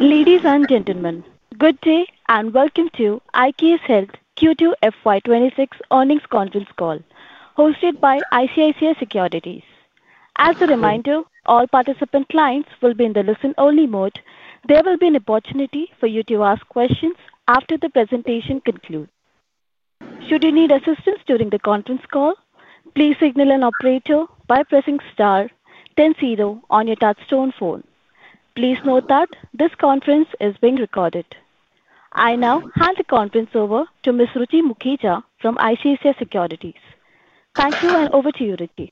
Ladies and gentlemen, good day and welcome to IKS Health Q2 FY 2026 earnings conference call, hosted by ICICI Securities. As a reminder, all participant lines will be in the listen-only mode. There will be an opportunity for you to ask questions after the presentation concludes. Should you need assistance during the conference call, please signal an operator by pressing star then 0 on your touchstone phone. Please note that this conference is being recorded. I now hand the conference over to Ms. Ruchi Mukhija from ICICI Securities. Thank you, and over to you, Ruchi.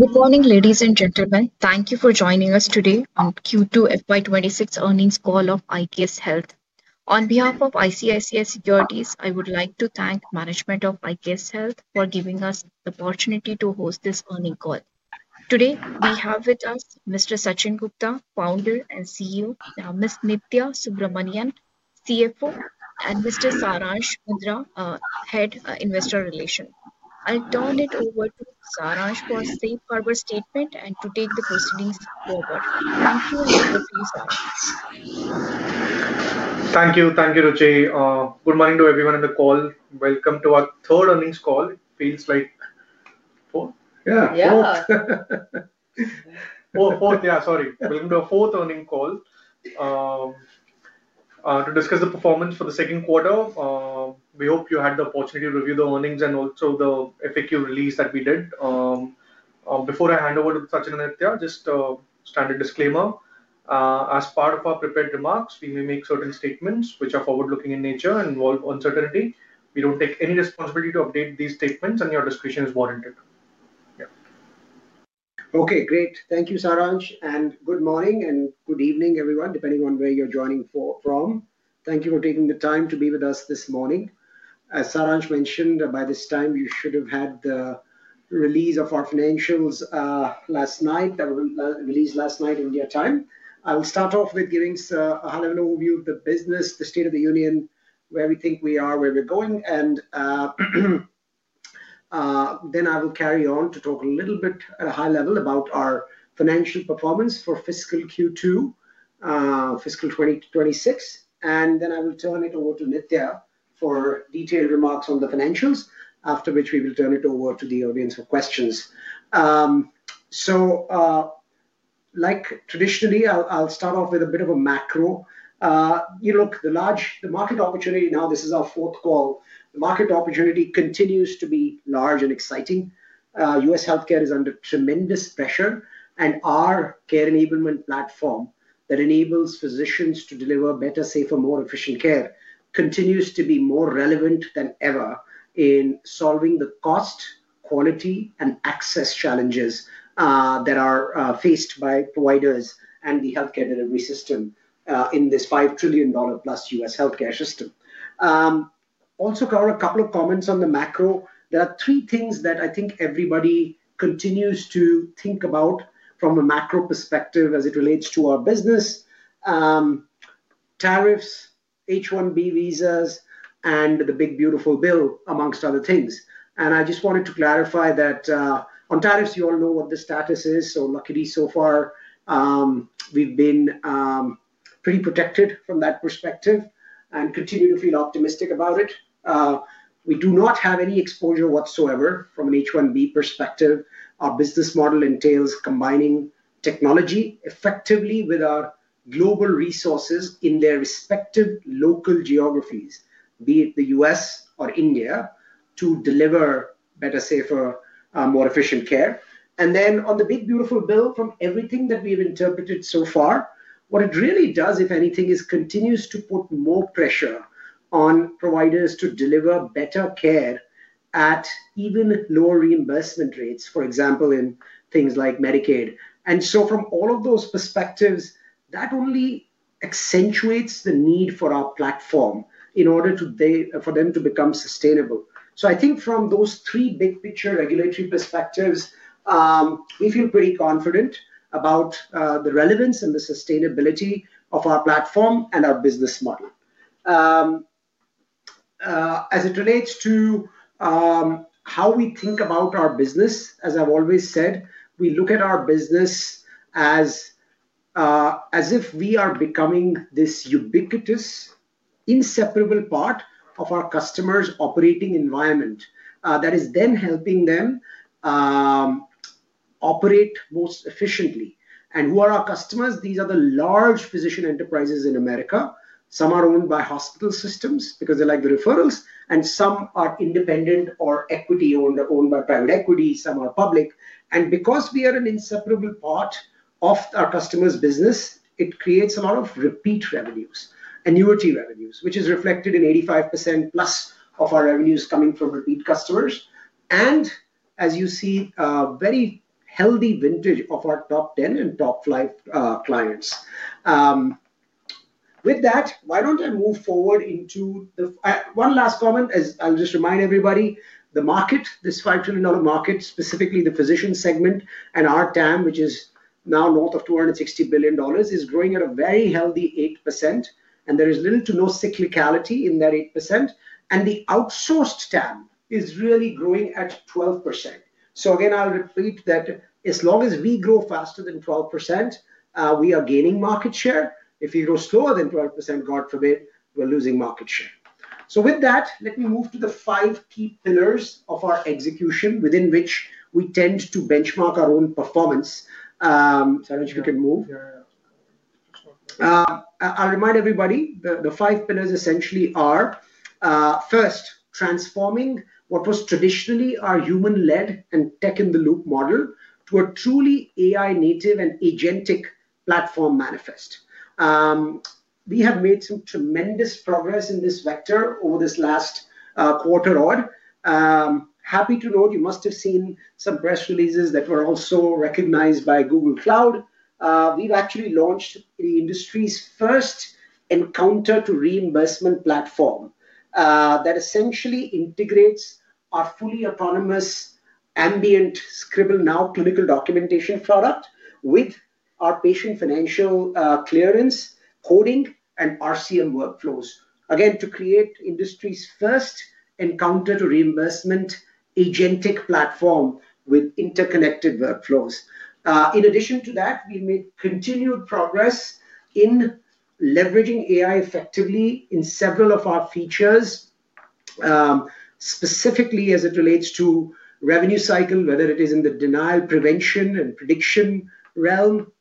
Good morning, ladies and gentlemen. Thank you for joining us today on Q2 FY 2026 earnings call of IKS Health. On behalf of ICICI Securities, I would like to thank the management of IKS Health for giving us the opportunity to host this earnings call. Today, we have with us Mr. Sachin Gupta, Founder and CEO, Ms. Nithya Balasubramanian, CFO, and Mr. Saransh Mundra, Head of Investor Relations. I'll turn it over to Saransh for a safe harbor statement and to take the proceedings forward. Thank you, and please start. Thank you. Thank you, Ruchi. Good morning to everyone on the call. Welcome to our third earnings call. It feels like fourth? Yeah. Fourth, yeah. Sorry. Welcome to our fourth earnings call to discuss the performance for the second quarter. We hope you had the opportunity to review the earnings and also the FAQ release that we did. Before I hand over to Sachin and Nithya, just a standard disclaimer. As part of our prepared remarks, we may make certain statements which are forward-looking in nature and involve uncertainty. We don't take any responsibility to update these statements, and your discretion is warranted. Okay. Great. Thank you, Saransh. Good morning and good evening, everyone, depending on where you're joining from. Thank you for taking the time to be with us this morning. As Saransh mentioned, by this time, you should have had the release of our financials last night that were released last night India time. I will start off with giving a high-level overview of the business, the state of the union, where we think we are, where we're going. I will carry on to talk a little bit at a high level about our financial performance for fiscal Q2, fiscal 2026. I will turn it over to Nithya for detailed remarks on the financials, after which we will turn it over to the audience for questions. Like traditionally, I'll start off with a bit of a macro look, the market opportunity. Now, this is our fourth call. The market opportunity continues to be large and exciting. U.S. healthcare is under tremendous pressure, and our care enablement platform that enables physicians to deliver better, safer, more efficient care continues to be more relevant than ever in solving the cost, quality, and access challenges that are faced by providers and the healthcare delivery system in this $5 trillion-plus U.S. healthcare system. Also, a couple of comments on the macro. There are three things that I think everybody continues to think about from a macro perspective as it relates to our business: tariffs, H-1B visas, and the big, beautiful bill, amongst other things. I just wanted to clarify that on tariffs, you all know what the status is. Luckily, so far, we've been pretty protected from that perspective and continue to feel optimistic about it. We do not have any exposure whatsoever from an H-1B perspective. Our business model entails combining technology effectively with our global resources in their respective local geographies, be it the U.S. or India, to deliver better, safer, more efficient care. On the big, beautiful bill, from everything that we have interpreted so far, what it really does, if anything, is continues to put more pressure on providers to deliver better care at even lower reimbursement rates, for example, in things like Medicaid. From all of those perspectives, that only accentuates the need for our platform in order for them to become sustainable. I think from those three big-picture regulatory perspectives, we feel pretty confident about the relevance and the sustainability of our platform and our business model. As it relates to how we think about our business, as I've always said, we look at our business as if we are becoming this ubiquitous, inseparable part of our customers' operating environment that is then helping them operate most efficiently. Who are our customers? These are the large physician enterprises in the U.S. Some are owned by hospital systems because they like the referrals, and some are independent or equity-owned, owned by private equity. Some are public. Because we are an inseparable part of our customers' business, it creates a lot of Repeat Revenues, Annuity Revenues, which is reflected in 85%+ of our revenues coming from repeat customers. You see a very healthy vintage of our top 10 and top 5 clients. With that, let me move forward into one last comment. I'll just remind everybody, the market, this $5 trillion market, specifically the physician segment and our TAM, which is now north of $260 billion, is growing at a very healthy 8%. There is little to no cyclicality in that 8%. The outsourced TAM is really growing at 12%. I'll repeat that as long as we grow faster than 12%, we are gaining market share. If we grow slower than 12%, God forbid, we're losing market share. With that, let me move to the five key pillars of our execution within which we tend to benchmark our own performance. Sorry, Ruchi, if you can move. Yeah. Yeah. I'll remind everybody, the five pillars essentially are: First, transforming what was traditionally our human-led and tech-in-the-loop model to a truly AI-native and agentic platform manifest. We have made some tremendous progress in this vector over this last quarter odd. Happy to note you must have seen some press releases that were also recognized by Google Cloud. We've actually launched the industry's first encounter-to-reimbursement platform that essentially integrates our fully autonomous ambient ScribbleNow clinical documentation product with our patient financial clearance, coding, and RCM workflows, again to create industry's first encounter-to-reimbursement agentic platform with interconnected workflows. In addition to that, we've made continued progress in leveraging AI effectively in several of our features, specifically as it relates to revenue cycle, whether it is in the denial, prevention, and prediction realm,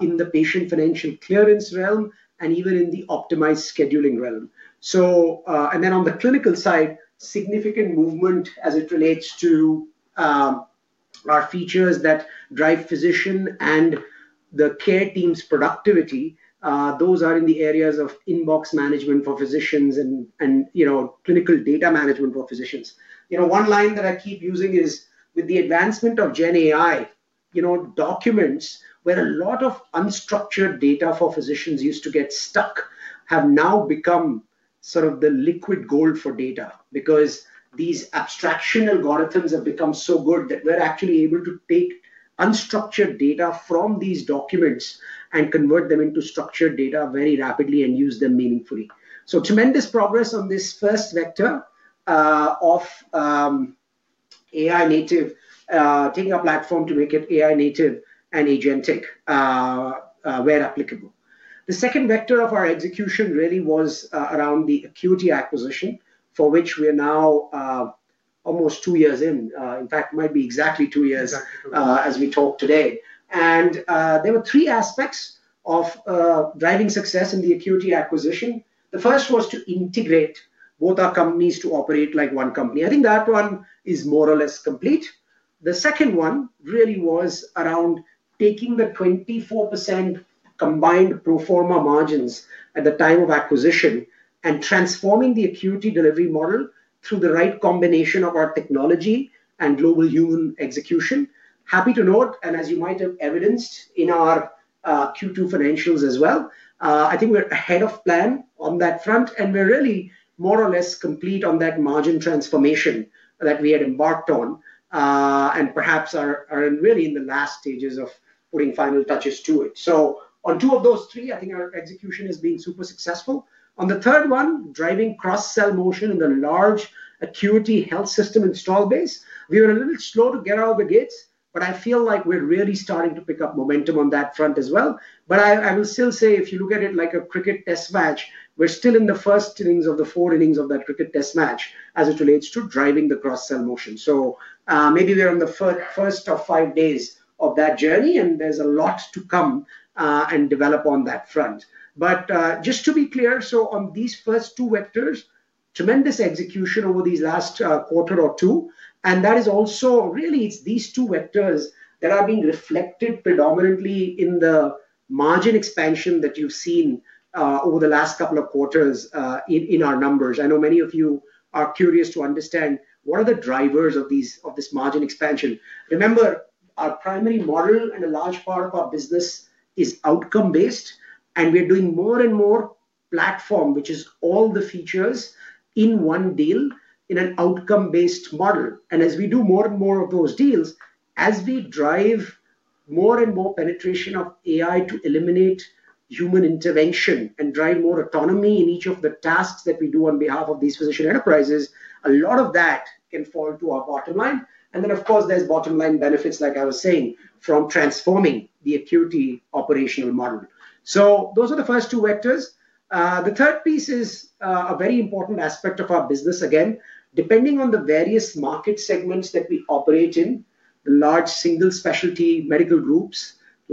in the patient financial clearance realm, and even in the optimized scheduling realm. On the clinical side, significant movement as it relates to our features that drive physician and the care team's productivity. Those are in the areas of inbox management for physicians and clinical data management for physicians. One line that I keep using is, with the advancement of GenAI, documents where a lot of unstructured data for physicians used to get stuck have now become sort of the liquid gold for data because these abstraction algorithms have become so good that we're actually able to take unstructured data from these documents and convert them into structured data very rapidly and use them meaningfully. Tremendous progress on this first vector of AI-native, taking our platform to make it AI-native and agentic where applicable. The second vector of our execution really was around the AQuity acquisition, for which we are now almost two years in. In fact, it might be exactly two years as we talk today. There were three aspects of driving success in the AQuity acquisition. The first was to integrate both our companies to operate like one company. I think that one is more or less complete. The second one really was around taking the 24% combined pro forma margins at the time of acquisition and transforming the AQuity delivery model through the right combination of our technology and global human execution. Happy to note, and as you might have evidenced in our Q2 financials as well, I think we're ahead of plan on that front, and we're really more or less complete on that margin transformation that we had embarked on. Perhaps are really in the last stages of putting final touches to it. On two of those three, I think our execution has been super successful. On the third one, driving cross-sell motion in the large AQuity health system install base, we were a little slow to get out of the gates, but I feel like we're really starting to pick up momentum on that front as well. I will still say, if you look at it like a cricket test match, we're still in the first innings of the four innings of that cricket test match as it relates to driving the cross-sell motion. Maybe we're on the first of five days of that journey, and there's a lot to come and develop on that front. Just to be clear, on these first two vectors, tremendous execution over these last quarter or two. That is also really it's these two vectors that are being reflected predominantly in the margin expansion that you've seen over the last couple of quarters in our numbers. I know many of you are curious to understand what are the drivers of this margin expansion. Remember, our primary model and a large part of our business is outcome-based, and we're doing more and more platform, which is all the features in one deal in an outcome-based model. As we do more and more of those deals, as we drive more and more penetration of AI to eliminate human intervention and drive more autonomy in each of the tasks that we do on behalf of these physician enterprises, a lot of that can fall to our bottom line. Of course, there's bottom line benefits, like I was saying, from transforming the AQuity operational model. Those are the first two vectors. The third piece is a very important aspect of our business. Again, depending on the various market segments that we operate in, the large single-specialty medical groups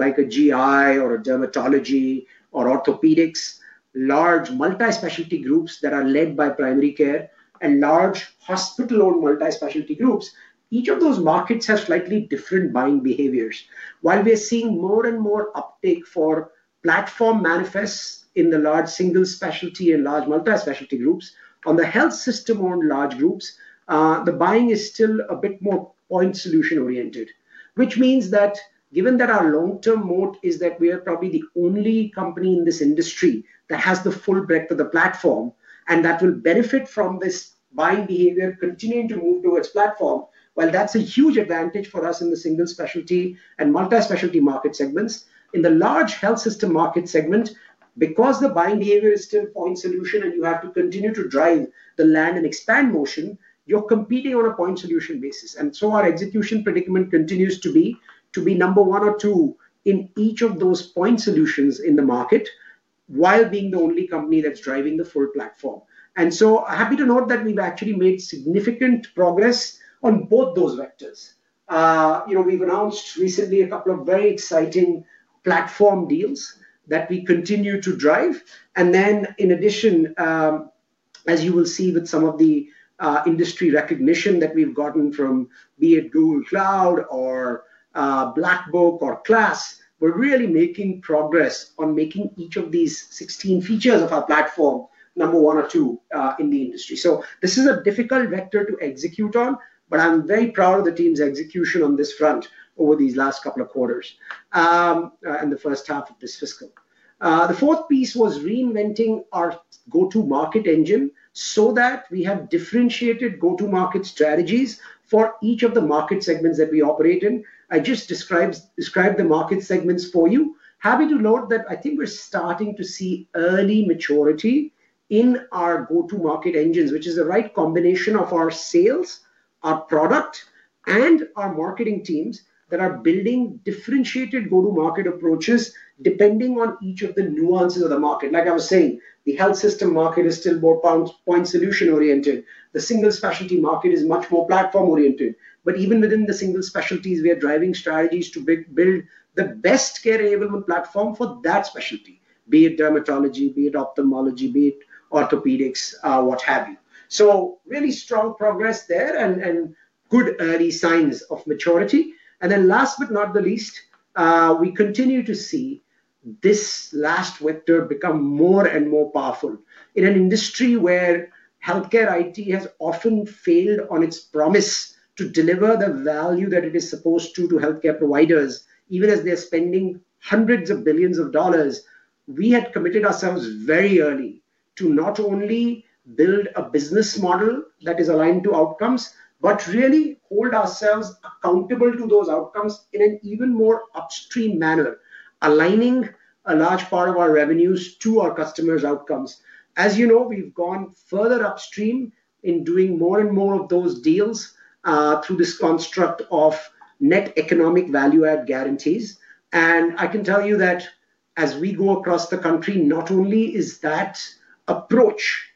like a GI or a Dermatology or Orthopedics, large multi-specialty groups that are led by primary care, and large hospital-owned multi-specialty groups, each of those markets have slightly different buying behaviors. While we are seeing more and more uptake for platform manifests in the large single-specialty and large multi-specialty groups, on the health system-owned large groups, the buying is still a bit more point solution-oriented, which means that given that our long-term moat is that we are probably the only company in this industry that has the full breadth of the platform and that will benefit from this buying behavior continuing to move towards platform, that's a huge advantage for us in the single-specialty and multi-specialty market segments. In the large health system market segment, because the buying behavior is still point solution and you have to continue to drive the land and expand motion, you're competing on a point solution basis. Our execution predicament continues to be number one or two in each of those point solutions in the market while being the only company that's driving the full platform. I'm happy to note that we've actually made significant progress on both those vectors. We've announced recently a couple of very exciting platform deals that we continue to drive. In addition, as you will see with some of the industry recognition that we've gotten from, be it Google Cloud or Black Book or KLAS, we're really making progress on making each of these 16 features of our platform number one or two in the industry. This is a difficult vector to execute on, but I'm very proud of the team's execution on this front over these last couple of quarters and the first half of this fiscal. The fourth piece was reinventing our go-to-market engine so that we have differentiated go-to-market strategies for each of the market segments that we operate in. I just described the market segments for you. I'm happy to note that I think we're starting to see early maturity in our go-to-market engines, which is the right combination of our sales, our product, and our marketing teams that are building differentiated go-to-market approaches depending on each of the nuances of the market. Like I was saying, the health system market is still more point solution-oriented. The single-specialty market is much more platform-oriented. Even within the single specialties, we are driving strategies to build the best care-enablement platform for that specialty, be it dermatology, be it ophthalmology, be it orthopedics, what have you. Really strong progress there and good early signs of maturity. Last but not the least, we continue to see this last vector become more and more powerful in an industry where healthcare IT has often failed on its promise to deliver the value that it is supposed to to healthcare providers, even as they're spending hundreds of billions of dollars. We had committed ourselves very early to not only build a business model that is aligned to outcomes, but really hold ourselves accountable to those outcomes in an even more upstream manner, aligning a large part of our revenues to our customers' outcomes. As you know, we've gone further upstream in doing more and more of those deals through this construct of net economic value-add guarantees. I can tell you that as we go across the country, not only is that approach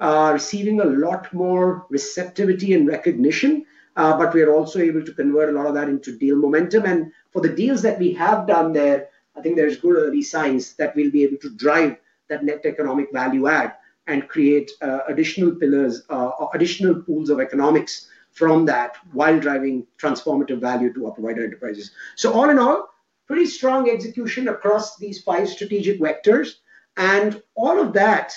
receiving a lot more receptivity and recognition, but we are also able to convert a lot of that into deal momentum. For the deals that we have done there, I think there's good early signs that we'll be able to drive that net economic value-add and create additional pillars, additional pools of economics from that while driving transformative value to our provider enterprises. All in all, pretty strong execution across these five strategic vectors. All of that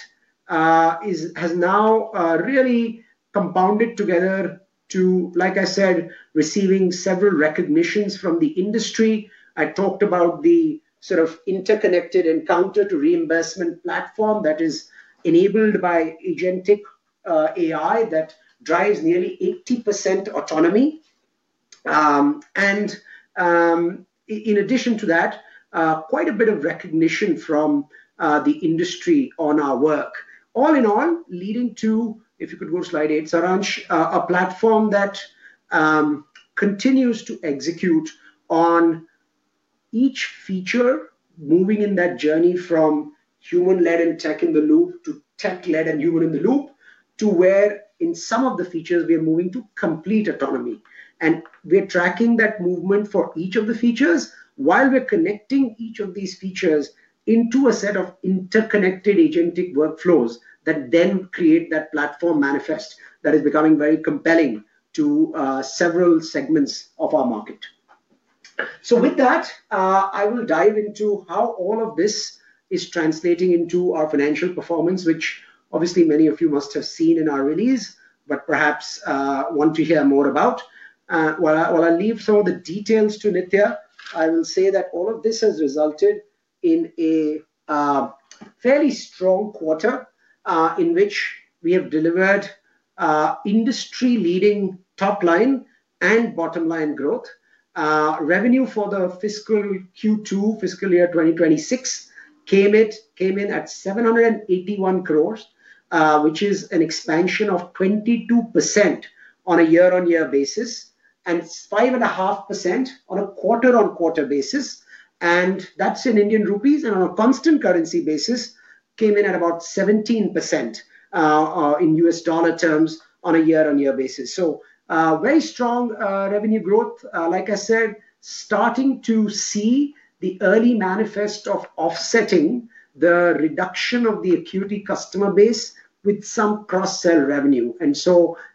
has now really compounded together to, like I said, receiving several recognitions from the industry. I talked about the sort of interconnected encounter-to-reimbursement platform that is enabled by agentic AI that drives nearly 80% autonomy. In addition to that, quite a bit of recognition from the industry on our work. All in all, leading to, if you could go to slide eight, Saransh, a platform that continues to execute on each feature, moving in that journey from human-led and tech-in-the-loop to tech-led and human-in-the-loop, to where in some of the features we are moving to complete autonomy. We're tracking that movement for each of the features while we're connecting each of these features into a set of interconnected agentic workflows that then create that platform manifest that is becoming very compelling to several segments of our market. With that, I will dive into how all of this is translating into our financial performance, which obviously many of you must have seen in our release, but perhaps want to hear more about. While I leave some of the details to Nithya, I will say that all of this has resulted in a fairly strong quarter in which we have delivered industry-leading top-line and bottom-line growth. Revenue for the fiscal Q2, fiscal year 2026, came in at 781 crores, which is an expansion of 22% on a year-on-year basis and 5.5% on a quarter-on-quarter basis. That's in Indian rupees. On a constant currency basis, it came in at about 17% in U.S. dollar terms on a year-on-year basis. Very strong revenue growth, like I said, starting to see the early manifest of offsetting the reduction of the AQuity customer base with some cross-sell revenue.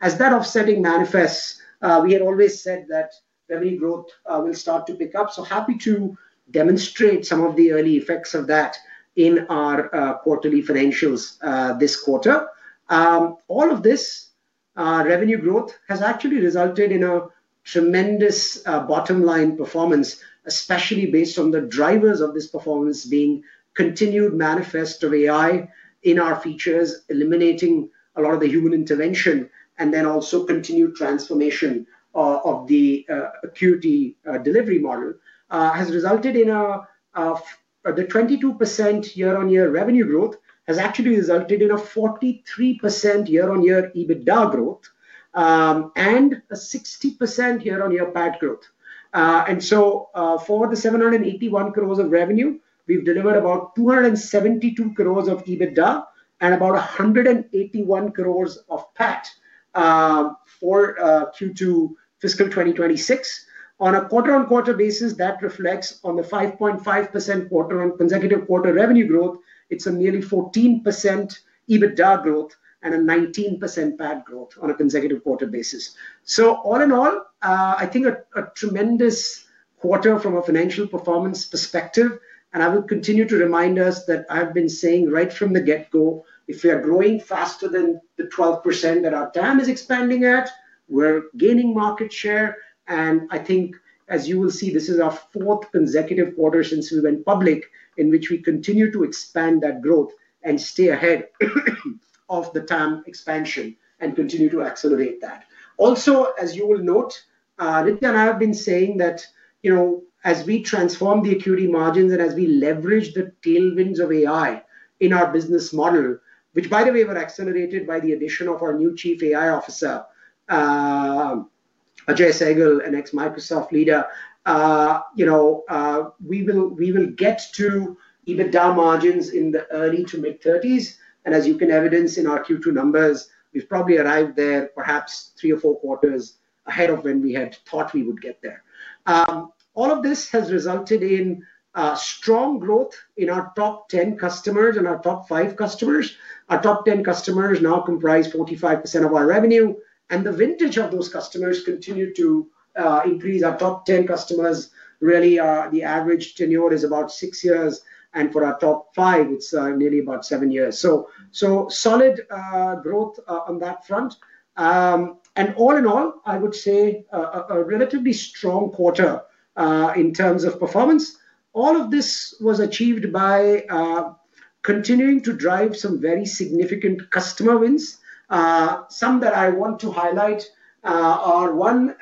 As that offsetting manifests, we had always said that revenue growth will start to pick up. Happy to demonstrate some of the early effects of that in our quarterly financials this quarter. All of this revenue growth has actually resulted in a tremendous bottom-line performance, especially based on the drivers of this performance being continued manifest of AI in our features, eliminating a lot of the human intervention, and then also continued transformation of the AQuity delivery model. The 22% year-on-year revenue growth has actually resulted in a 43% year-on-year EBITDA growth and a 60% year-on-year PAT growth. For the 781 crores of revenue, we've delivered about 272 crores of EBITDA and about 181 crores of PAT for Q2 fiscal 2026. On a quarter-on-quarter basis, that reflects on the 5.5% quarter-on-quarter consecutive quarter revenue growth. It's a nearly 14% EBITDA growth and a 19% PAT growth on a consecutive quarter basis. All in all, I think a tremendous quarter from a financial performance perspective. I will continue to remind us that I've been saying right from the get-go, if we are growing faster than the 12% that our TAM is expanding at, we're gaining market share. I think, as you will see, this is our fourth consecutive quarter since we went public in which we continue to expand that growth and stay ahead of the TAM expansion and continue to accelerate that. Also, as you will note, Nithya and I have been saying that as we transform the AQuity margins and as we leverage the tailwinds of AI in our business model, which, by the way, were accelerated by the addition of our new Chief AI Officer, Ajay Sagar, an ex-Microsoft leader, we will get to EBITDA margins in the early to mid-30s. As you can evidence in our Q2 numbers, we've probably arrived there perhaps three or four quarters ahead of when we had thought we would get there. All of this has resulted in strong growth in our top 10 customers and our top 5 customers. Our top 10 customers now comprise 45% of our revenue, and the vintage of those customers continued to increase. Our top 10 customers really are, the average tenure is about six years, and for our top 5, it's nearly about seven years. Solid growth on that front. All in all, I would say a relatively strong quarter in terms of performance. All of this was achieved by continuing to drive some very significant customer wins. Some that I want to highlight are one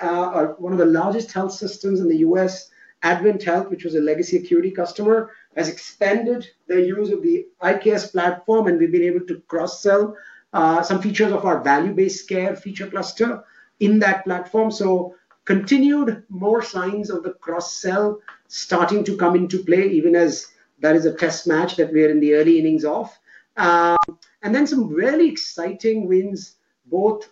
of the largest health systems in the U.S., AdventHealth, which was a legacy AQuity customer, has expanded their use of the IKS platform, and we've been able to cross-sell some features of our value-based care feature cluster in that platform. Continued more signs of the cross-sell starting to come into play, even as that is a test match that we are in the early innings of. Some really exciting wins both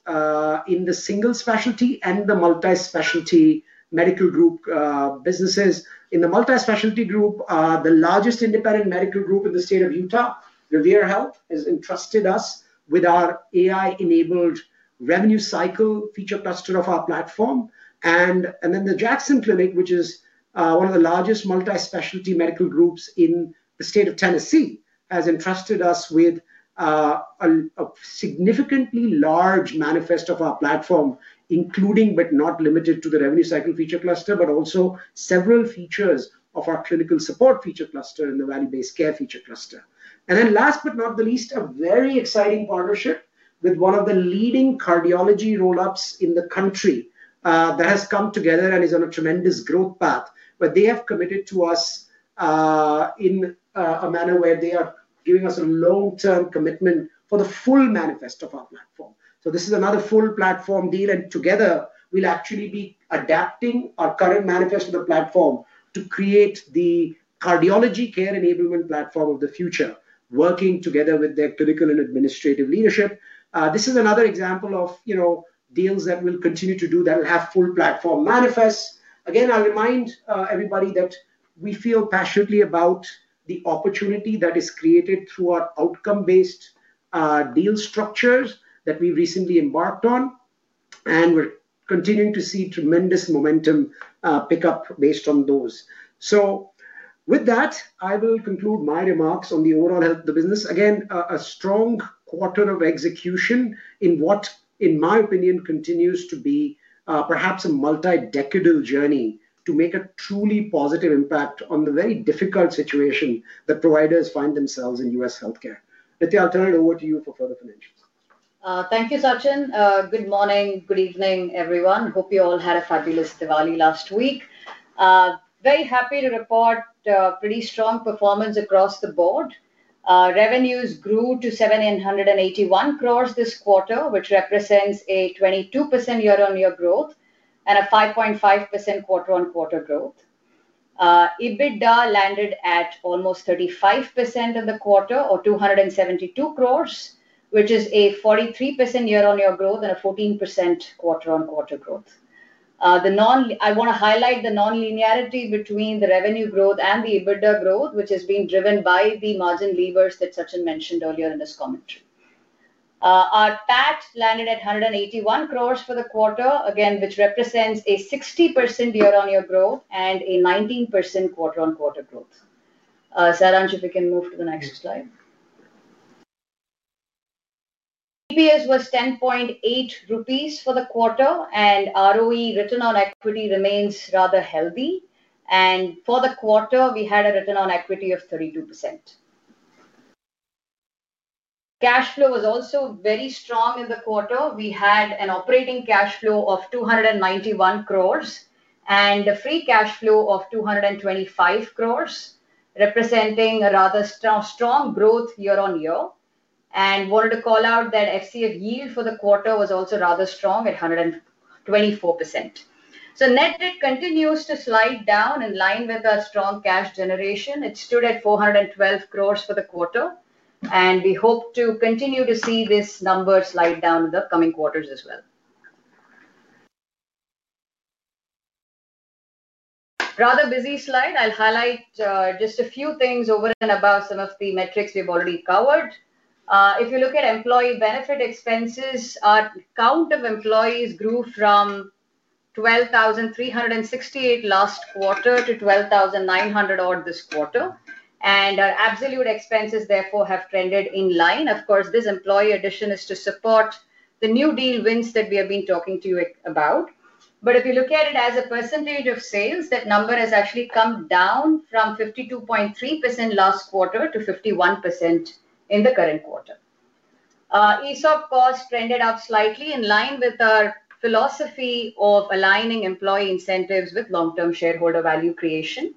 in the single-specialty and the multi-specialty medical group businesses. In the multi-specialty group, the largest independent medical group in the state of Utah, Revere Health, has entrusted us with our AI-enabled revenue cycle feature cluster of our platform. The Jackson Clinic, which is one of the largest multi-specialty medical groups in the state of Tennessee, has entrusted us with a significantly large manifest of our platform, including but not limited to the revenue cycle feature cluster, but also several features of our clinical support feature cluster and the value-based care feature cluster. Last but not the least, a very exciting partnership with one of the leading cardiology roll-ups in the country that has come together and is on a tremendous growth path. They have committed to us in a manner where they are giving us a long-term commitment for the full manifest of our platform. This is another full platform deal, and together, we'll actually be adapting our current manifest of the platform to create the cardiology care enablement platform of the future, working together with their clinical and administrative leadership. This is another example of deals that we'll continue to do that will have full platform manifests. I will remind everybody that we feel passionately about the opportunity that is created through our outcome-based deal structures that we recently embarked on. We're continuing to see tremendous momentum pick up based on those. With that, I will conclude my remarks on the overall health of the business. Again, a strong quarter of execution in what, in my opinion, continues to be perhaps a multi-decadal journey to make a truly positive impact on the very difficult situation that providers find themselves in U.S. healthcare. Nithya, I'll turn it over to you for further financials. Thank you, Sachin. Good morning. Good evening, everyone. Hope you all had a fabulous Diwali last week. Very happy to report pretty strong performance across the board. Revenues grew to 781 crores this quarter, which represents a 22% year-on-year growth and a 5.5% quarter-on-quarter growth. EBITDA landed at almost 35% for the quarter, or 272 crores, which is a 43% year-on-year growth and a 14% quarter-on-quarter growth. I want to highlight the non-linearity between the revenue growth and the EBITDA growth, which has been driven by the margin levers that Sachin mentioned earlier in this commentary. Our PAT landed at 181 crores for the quarter, which represents a 60% year-on-year growth and a 19% quarter-on-quarter growth. Saransh, if we can move to the next slide. EPS was 10.8 rupees for the quarter, and ROE, return on equity, remains rather healthy. For the quarter, we had a return on equity of 32%. Cash flow was also very strong in the quarter. We had an operating cash flow of 291 crores and a free cash flow of 225 crores, representing a rather strong growth year-on-year. I wanted to call out that FCF yield for the quarter was also rather strong at 124%. Net debt continues to slide down in line with our strong cash generation. It stood at 412 crores for the quarter. We hope to continue to see this number slide down in the coming quarters as well. Rather busy slide. I'll highlight just a few things over and above some of the metrics we've already covered. If you look at employee benefit expenses, our count of employees grew from 12,368 last quarter to 12,900 this quarter. Our absolute expenses, therefore, have trended in line. This employee addition is to support the new deal wins that we have been talking to you about. If you look at it as a percentage of sales, that number has actually come down from 52.3% last quarter to 51% in the current quarter. ESOP costs trended up slightly in line with our philosophy of aligning employee incentives with long-term shareholder value creation.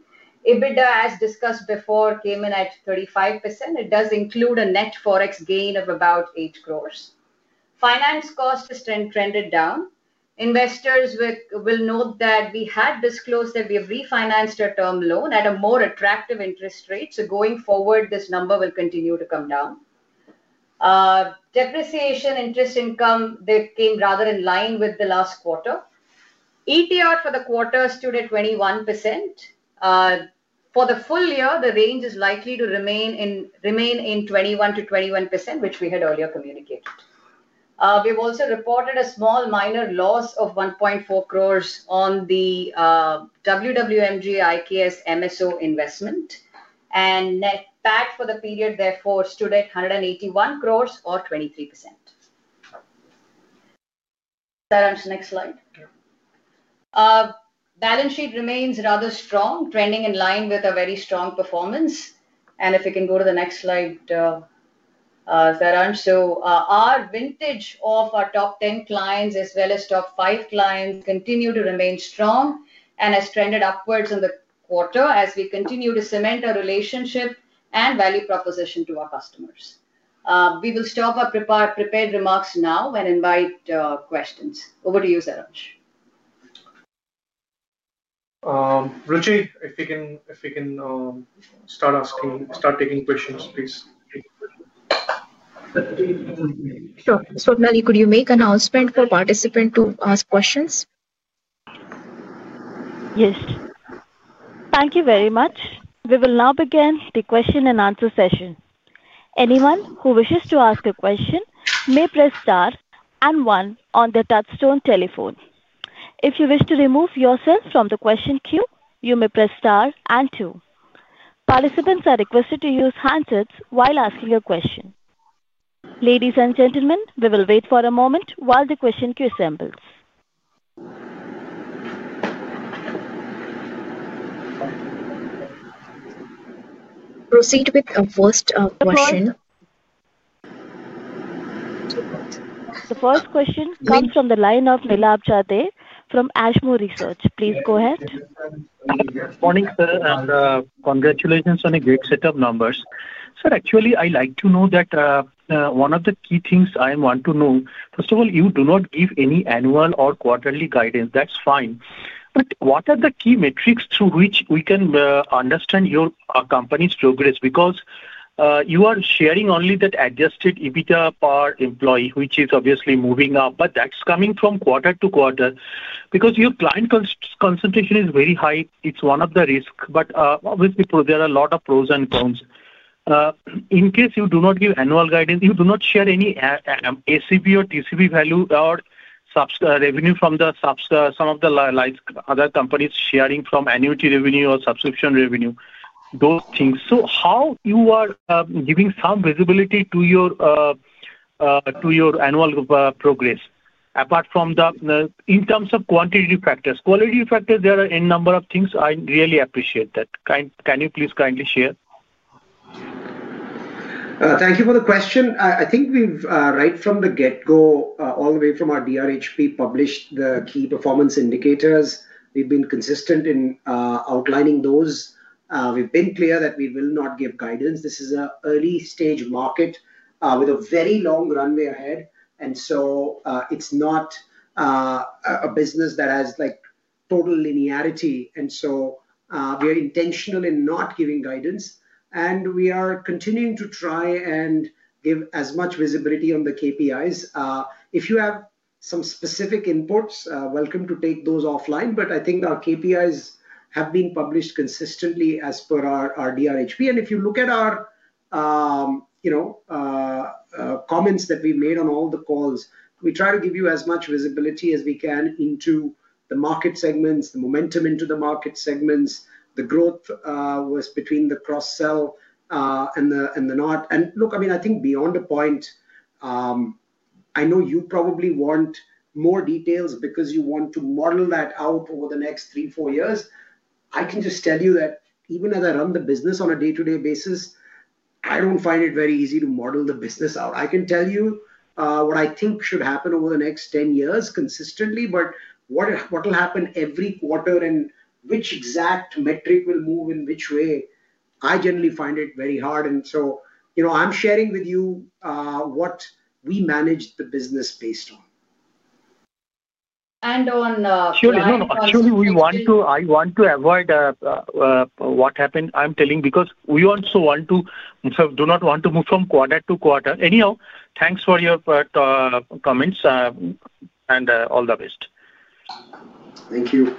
EBITDA, as discussed before, came in at 35%. It does include a net FOREX gain of about 8 crores. Finance costs have trended down. Investors will note that we had disclosed that we have refinanced our term loan at a more attractive interest rate. Going forward, this number will continue to come down. Depreciation & Interest Income came rather in line with the last quarter. ETR for the quarter stood at 21%. For the full year, the range is likely to remain in 21% to 21%, which we had earlier communicated. We have also reported a small minor loss of 1.4 crore on the WWMG - IKS MSO investment. Net PAT for the period, therefore, stood at 181 crore, or 23%. Saransh, next slide. Balance sheet remains rather strong, trending in line with a very strong performance. If we can go to the next slide, Saransh. Our vintage of our top 10 clients, as well as top 5 clients, continue to remain strong and has trended upwards in the quarter as we continue to cement our relationship and value proposition to our customers. We will stop our prepared remarks now and invite questions. Over to you, Saransh. Ruchi, if we can start taking questions, please. Sure. So, Nali, could you make an announcement for participants to ask questions? Yes. Thank you very much. We will now begin the question-and-answer session. Anyone who wishes to ask a question may press star and one on the touchstone telephone. If you wish to remove yourself from the question queue, you may press star and two. Participants are requested to use handsets while asking a question. Ladies and gentlemen, we will wait for a moment while the question queue assembles. Proceed with the first question. The first question comes from the line of Nilab Jade from Ashmore Research. Please go ahead. Morning, sir, and congratulations on a great set of numbers. Sir, actually, I'd like to know that one of the key things I want to know, first of all, you do not give any annual or quarterly guidance. That's fine. What are the key metrics through which we can understand your company's progress? Because you are sharing only that adjusted EBITDA per employee, which is obviously moving up, but that's coming from quarter to quarter. Your client concentration is very high, it's one of the risks. Obviously, there are a lot of pros and cons. In case you do not give annual guidance, you do not share any ACV or TCV value or revenue from some of the other companies sharing from annuity revenue or subscription revenue, those things. How you are giving some visibility to your annual progress, apart from the in terms of quantitative factors. Qualitative factors, there are a number of things. I really appreciate that. Can you please kindly share? Thank you for the question. I think we've, right from the get-go, all the way from our DRHP, published the key performance indicators. We've been consistent in outlining those. We've been clear that we will not give guidance. This is an early-stage market with a very long runway ahead. It's not a business that has total linearity. We are intentional in not giving guidance. We are continuing to try and give as much visibility on the KPIs. If you have some specific inputs, welcome to take those offline. I think our KPIs have been published consistently as per our DRHP. If you look at our comments that we've made on all the calls, we try to give you as much visibility as we can into the market segments, the momentum into the market segments, the growth between the cross-sell and the not. I think beyond a point, I know you probably want more details because you want to model that out over the next three, four years. I can just tell you that even as I run the business on a day-to-day basis, I don't find it very easy to model the business out. I can tell you what I think should happen over the next 10 years consistently, but what will happen every quarter and which exact metric will move in which way, I generally find it very hard. I'm sharing with you what we manage the business based on. Surely, we want to avoid what happened. I'm telling because we also do not want to move from quarter to quarter. Anyhow, thanks for your comments. All the best. Thank you.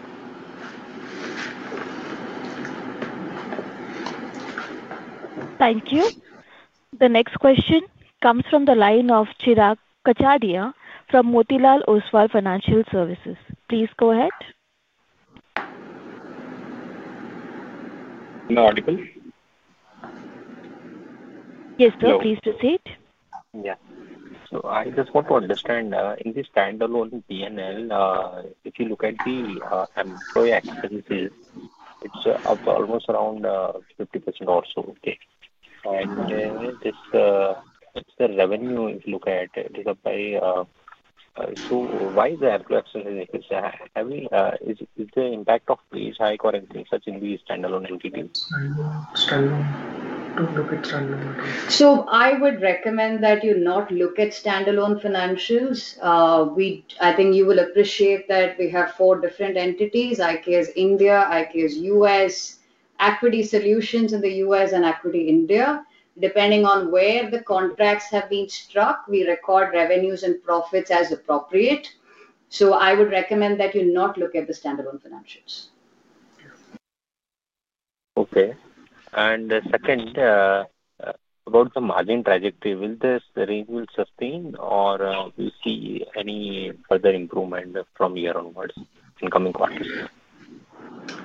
Thank you. The next question comes from the line of Chirag Kachhadiya from Motilal Oswal Financial Services. Please go ahead. In the article? Yes, sir. Please proceed. Yeah. I just want to understand, in this standalone P&L, if you look at the employee expenses, it's almost around 50% or so. It's the revenue, if you look at it. It is by. Why is the employee expenses increasing? Is the impact of these high currencies such in these standalone entities? Standalone. Don't look at standalone. I would recommend that you not look at standalone financials. I think you will appreciate that we have four different entities: IKS India, IKS U.S., AQuity Solutions in the U.S., and Equity India. Depending on where the contracts have been struck, we record revenues and profits as appropriate. I would recommend that you not look at the standalone financials. Okay. About the margin trajectory, will this range sustain, or will we see any further improvement from here onwards in coming quarters?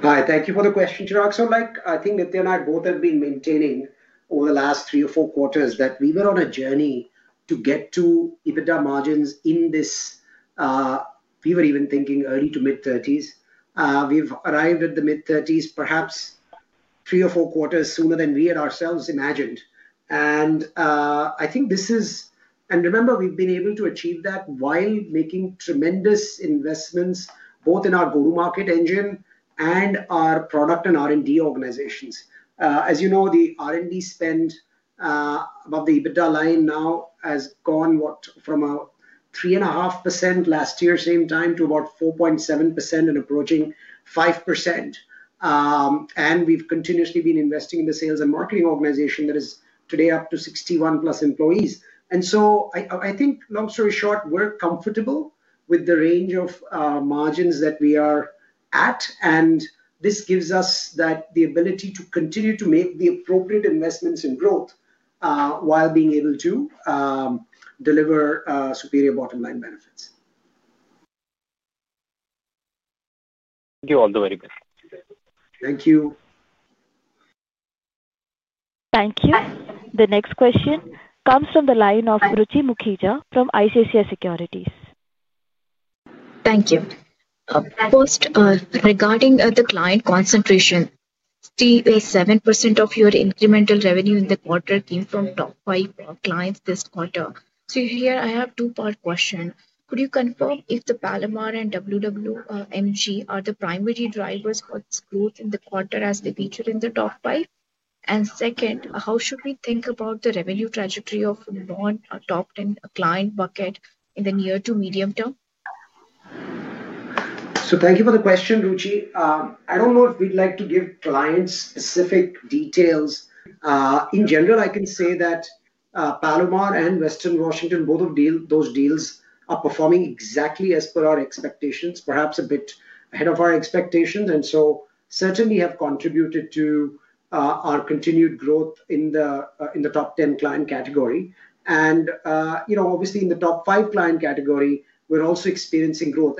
Hi. Thank you for the question, Chirag. I think Nithya and I both have been maintaining over the last three or four quarters that we were on a journey to get to EBITDA margins in this. We were even thinking early to mid-30s. We've arrived at the mid-30s, perhaps three or four quarters sooner than we had ourselves imagined. I think this is, and remember, we've been able to achieve that while making tremendous investments both in our go-to-market engine and our product and R&D organizations. As you know, the R&D spend above the EBITDA line now has gone from 3.5% last year, same time, to about 4.7% and approaching 5%. We've continuously been investing in the sales and marketing organization that is today up to 61+ employees. I think, long story short, we're comfortable with the range of margins that we are at. This gives us the ability to continue to make the appropriate investments in growth while being able to deliver superior bottom-line benefits. Thank you all. Very good. Thank you. Thank you. The next question comes from the line of Ruchi Mukhija from ICICI Securities. Thank you. First, regarding the client concentration. 67% of your incremental revenue in the quarter came from top five clients this quarter. Here, I have a two-part question. Could you confirm if the Palomar and WWMG are the primary drivers for its growth in the quarter as they feature in the top five? Second, how should we think about the revenue trajectory of non-top 10 client bucket in the near to medium term? Thank you for the question, Ruchi. I don't know if we'd like to give client specific details. In general, I can say that Palomar and Western Washington, both of those deals are performing exactly as per our expectations, perhaps a bit ahead of our expectations, and so certainly have contributed to our continued growth in the top 10 client category. Obviously, in the top five client category, we're also experiencing growth.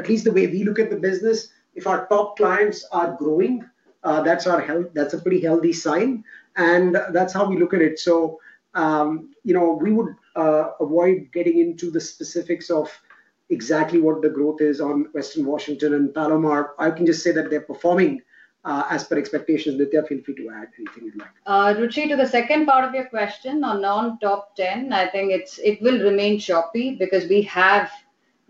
At least the way we look at the business, if our top clients are growing, that's a pretty healthy sign, and that's how we look at it. We would avoid getting into the specifics of exactly what the growth is on Western Washington and Palomar. I can just say that they're performing as per expectations. Nithya, feel free to add anything you'd like. Ruchi, to the second part of your question on non-top 10, I think it will remain choppy because we have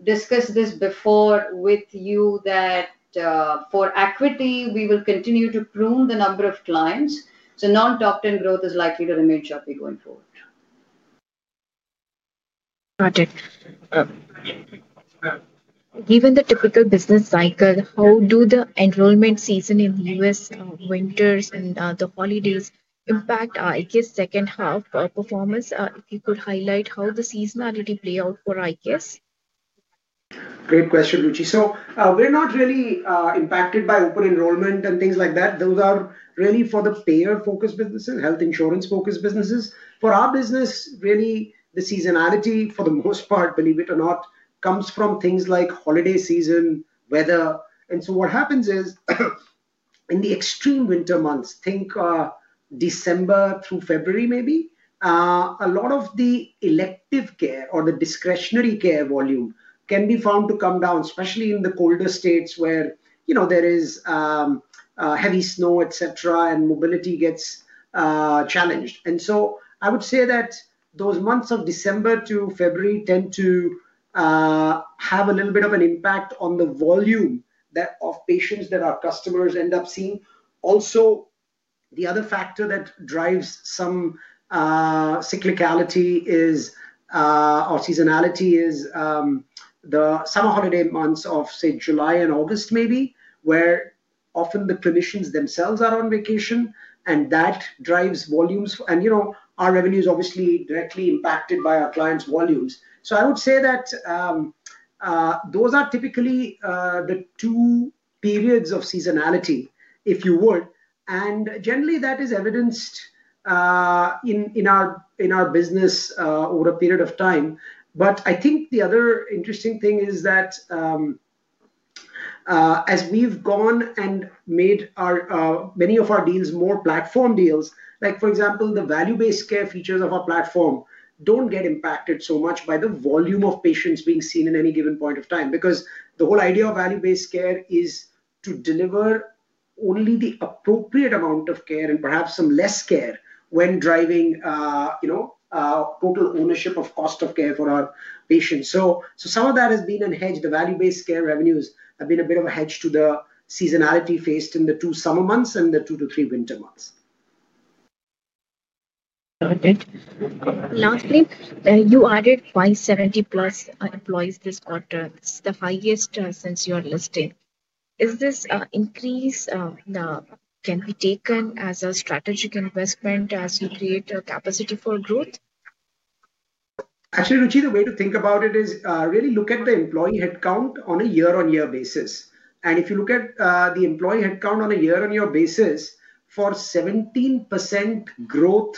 discussed this before with you. For AQuity, we will continue to prune the number of clients, so non-top 10 growth is likely to remain choppy going forward. Got it. Given the typical business cycle, how do the enrollment season in the U.S., winters, and the holidays impact IKS' second-half performance? If you could highlight how the seasonality plays out for IKS. Great question, Ruchi. We're not really impacted by open enrollment and things like that. Those are really for the payer-focused businesses, health insurance-focused businesses. For our business, really, the seasonality, for the most part, believe it or not, comes from things like holiday season and weather. What happens is, in the extreme winter months, think December through February maybe, a lot of the elective care or the discretionary care volume can be found to come down, especially in the colder states where there is heavy snow, etc., and mobility gets challenged. I would say that those months of December to February tend to have a little bit of an impact on the volume of patients that our customers end up seeing. Also, the other factor that drives some cyclicality or seasonality is the summer holiday months of, say, July and August maybe, where often the clinicians themselves are on vacation, and that drives volumes. Our revenue is obviously directly impacted by our clients' volumes. I would say that those are typically the two periods of seasonality, if you would, and generally, that is evidenced in our business over a period of time. I think the other interesting thing is that as we've gone and made many of our deals more platform deals, for example, the value-based care features of our platform don't get impacted so much by the volume of patients being seen in any given point of time, because the whole idea of value-based care is to deliver only the appropriate amount of care and perhaps some less care when driving total ownership of cost of care for our patients. Some of that has been a hedge. The value-based care revenues have been a bit of a hedge to the seasonality faced in the two summer months and the two to three winter months. Got it. Lastly, you added 570+ employees this quarter. This is the highest since your listing. Is this increase, can be taken as a strategic investment as you create capacity for growth? Actually, Ruchi, the way to think about it is really look at the employee headcount on a year-on-year basis. If you look at the employee headcount on a year-on-year basis for 17% growth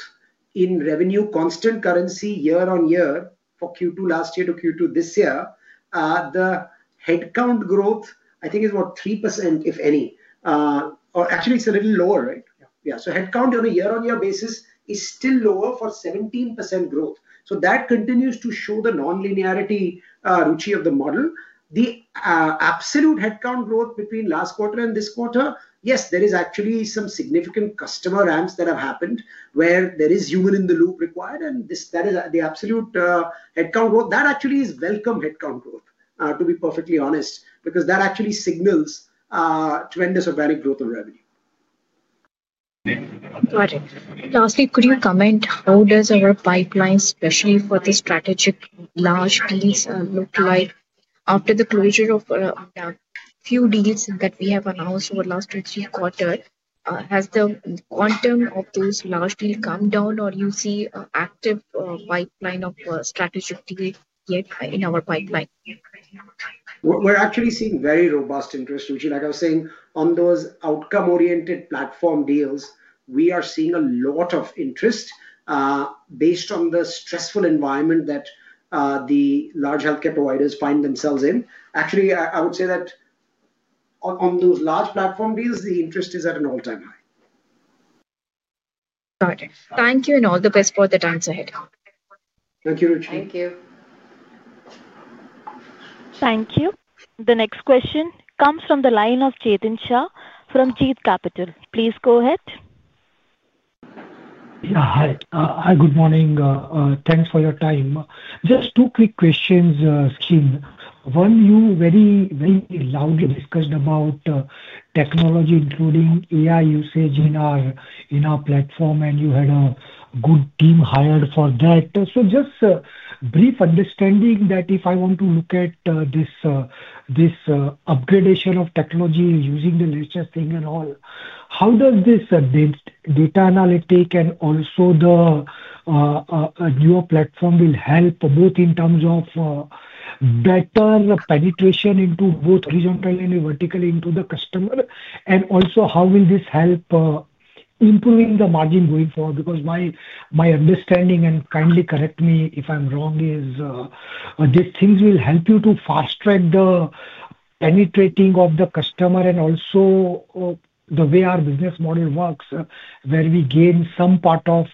in revenue, constant currency year-on-year for Q2 last year to Q2 this year, the headcount growth, I think, is about 3%, if any, or actually, it's a little lower, right? Yeah. Headcount on a year-on-year basis is still lower for 17% growth. That continues to show the non-linearity, Ruchi, of the model. The absolute headcount growth between last quarter and this quarter, yes, there is actually some significant customer ramps that have happened where there is human in the loop required, and that is the absolute headcount growth. That actually is welcome headcount growth, to be perfectly honest, because that actually signals tremendous organic growth of revenue. Got it. Lastly, could you comment on how does our pipeline, especially for the strategic large deals, look like after the closure of a few deals that we have announced over the last two, three quarters? Has the quantum of those large deals come down, or do you see an active pipeline of strategic deals yet in our pipeline? We're actually seeing very robust interest, Ruchi. Like I was saying, on those outcome-oriented platform deals, we are seeing a lot of interest. Based on the stressful environment that the large healthcare providers find themselves in, actually, I would say that on those large platform deals, the interest is at an all-time high. Got it. Thank you, and all the best for the times ahead. Thank you, Ruchi. Thank you. Thank you. The next question comes from the line of Chetan Shah from Jeet Capital. Please go ahead. Yeah. Hi. Good morning. Thanks for your time. Just two quick questions. Excuse me. One, you very loudly discussed about technology, including AI usage in our platform, and you had a good team hired for that. Just brief understanding that if I want to look at this upgradation of technology using the latest thing and all, how does this data analytic and also the new platform will help both in terms of better penetration into both horizontal and vertical into the customer? Also, how will this help improving the margin going forward? Because my understanding, and kindly correct me if I'm wrong, is these things will help you to fast-track the penetrating of the customer and also. The way our business model works, where we gain some part of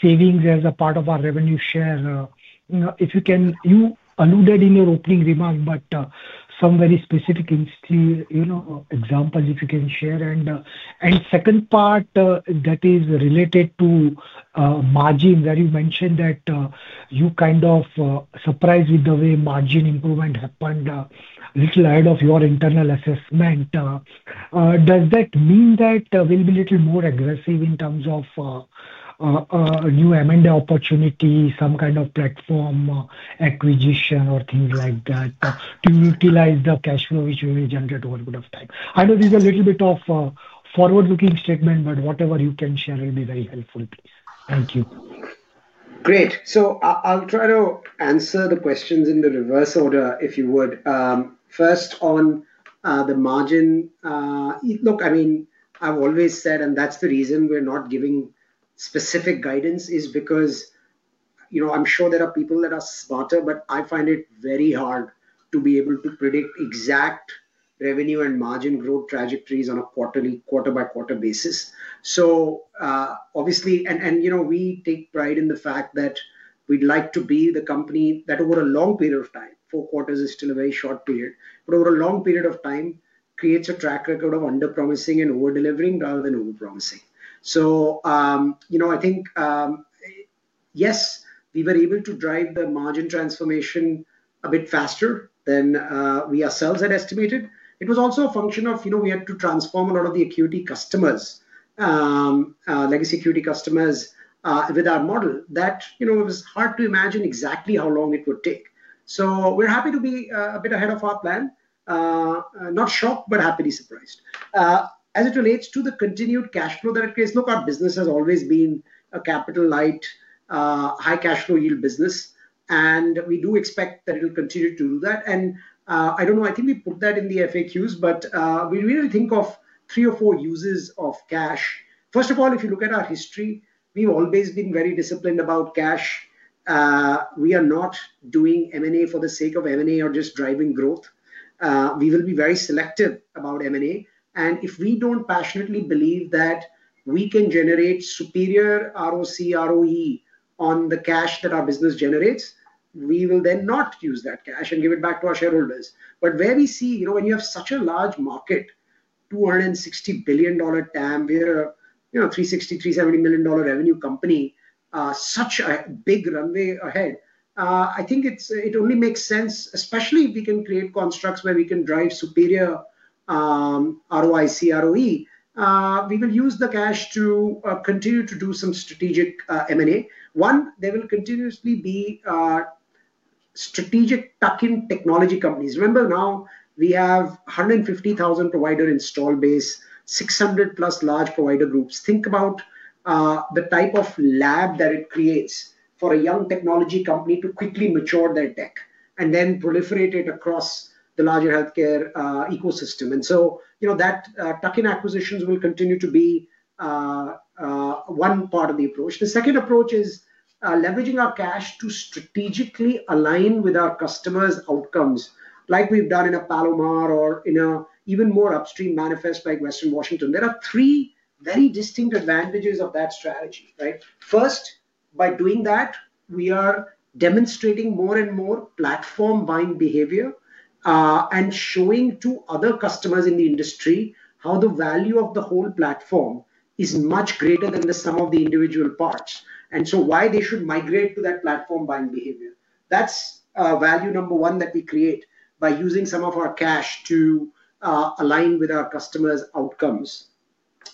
savings as a part of our revenue share. You alluded in your opening remark, but some very specific examples, if you can share. The second part that is related to margin, where you mentioned that you kind of surprised with the way margin improvement happened a little ahead of your internal assessment. Does that mean that we'll be a little more aggressive in terms of new M&A opportunity, some kind of platform acquisition, or things like that to utilize the cash flow which we will generate over a period of time? I know this is a little bit of a forward-looking statement, but whatever you can share will be very helpful, please. Thank you. Great. I'll try to answer the questions in the reverse order, if you would. First, on the margin. I mean, I've always said, and that's the reason we're not giving specific guidance, is because I find it very hard to be able to predict exact revenue and margin growth trajectories on a quarter-by-quarter basis. Obviously, we take pride in the fact that we'd like to be the company that, over a long period of time—four quarters is still a very short period—but over a long period of time creates a track record of underpromising and overdelivering rather than overpromising. I think yes, we were able to drive the margin transformation a bit faster than we ourselves had estimated. It was also a function of we had to transform a lot of the AQuity customers, legacy AQuity customers, with our model, that it was hard to imagine exactly how long it would take. We're happy to be a bit ahead of our plan. Not shocked, but happily surprised. As it relates to the continued cash flow that it creates, our business has always been a capital-light, high-cash flow yield business. We do expect that it'll continue to do that. I think we put that in the FAQs, but we really think of three or four uses of cash. First of all, if you look at our history, we've always been very disciplined about cash. We are not doing M&A for the sake of M&A or just driving growth. We will be very selective about M&A. If we don't passionately believe that we can generate superior ROC, ROE on the cash that our business generates, we will then not use that cash and give it back to our shareholders. Where we see when you have such a large market. $260 billion TAM, we're a $360, $370 million revenue company, such a big runway ahead, I think it only makes sense, especially if we can create constructs where we can drive superior ROIC, ROE. We will use the cash to continue to do some strategic M&A. One, there will continuously be strategic tuck-in technology companies. Remember, now we have 150,000 provider installed base, 600-plus large provider groups. Think about the type of lab that it creates for a young technology company to quickly mature their tech and then proliferate it across the larger healthcare ecosystem. That tuck-in acquisitions will continue to be one part of the approach. The second approach is leveraging our cash to strategically align with our customers' outcomes, like we've done in a Palomar or in an even more upstream manifest by Western Washington. There are three very distinct advantages of that strategy, right? First, by doing that, we are demonstrating more and more platform-buying behavior and showing to other customers in the industry how the value of the whole platform is much greater than the sum of the individual parts and why they should migrate to that platform-buying behavior. That's value number one that we create by using some of our cash to align with our customers' outcomes.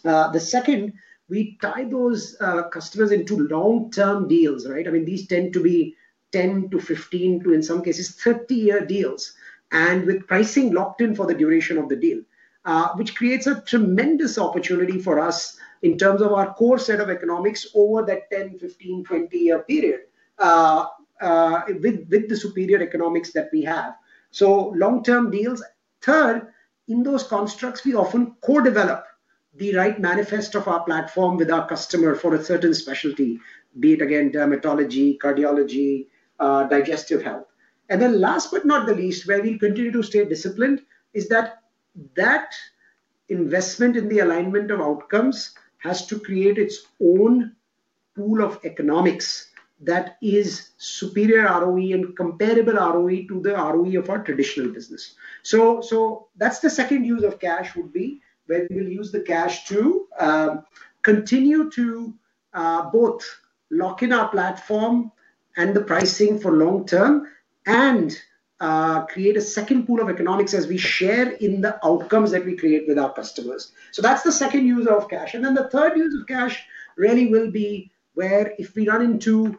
The second, we tie those customers into long-term deals, right? I mean, these tend to be 10 to 15 to, in some cases, 30-year deals, and with pricing locked in for the duration of the deal, which creates a tremendous opportunity for us in terms of our core set of economics over that 10, 15, 20-year period with the superior economics that we have. Long-term deals. Third, in those constructs, we often co-develop the right manifest of our platform with our customer for a certain specialty, be it, again, dermatology, cardiology, digestive health. Last but not the least, where we'll continue to stay disciplined, is that investment in the alignment of outcomes has to create its own pool of economics that is superior ROE and comparable ROE to the ROE of our traditional business. That's the second use of cash would be where we will use the cash to continue to both lock in our platform and the pricing for long term and create a second pool of economics as we share in the outcomes that we create with our customers. That's the second use of cash. The third use of cash really will be where if we run into.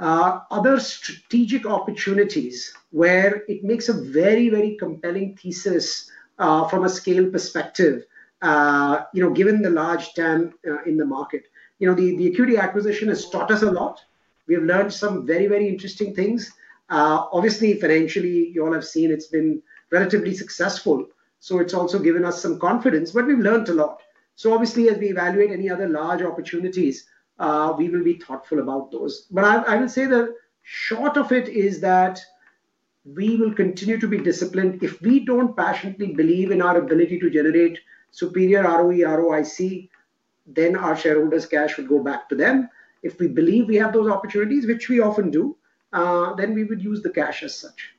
Other strategic opportunities where it makes a very, very compelling thesis from a scale perspective, given the large TAM in the market. The AQuity acquisition has taught us a lot. We have learned some very, very interesting things. Obviously, financially, you all have seen it's been relatively successful. It's also given us some confidence, but we've learned a lot. As we evaluate any other large opportunities, we will be thoughtful about those. I would say the short of it is that we will continue to be disciplined. If we don't passionately believe in our ability to generate superior ROE, ROIC, then our shareholders' cash would go back to them. If we believe we have those opportunities, which we often do, then we would use the cash as such.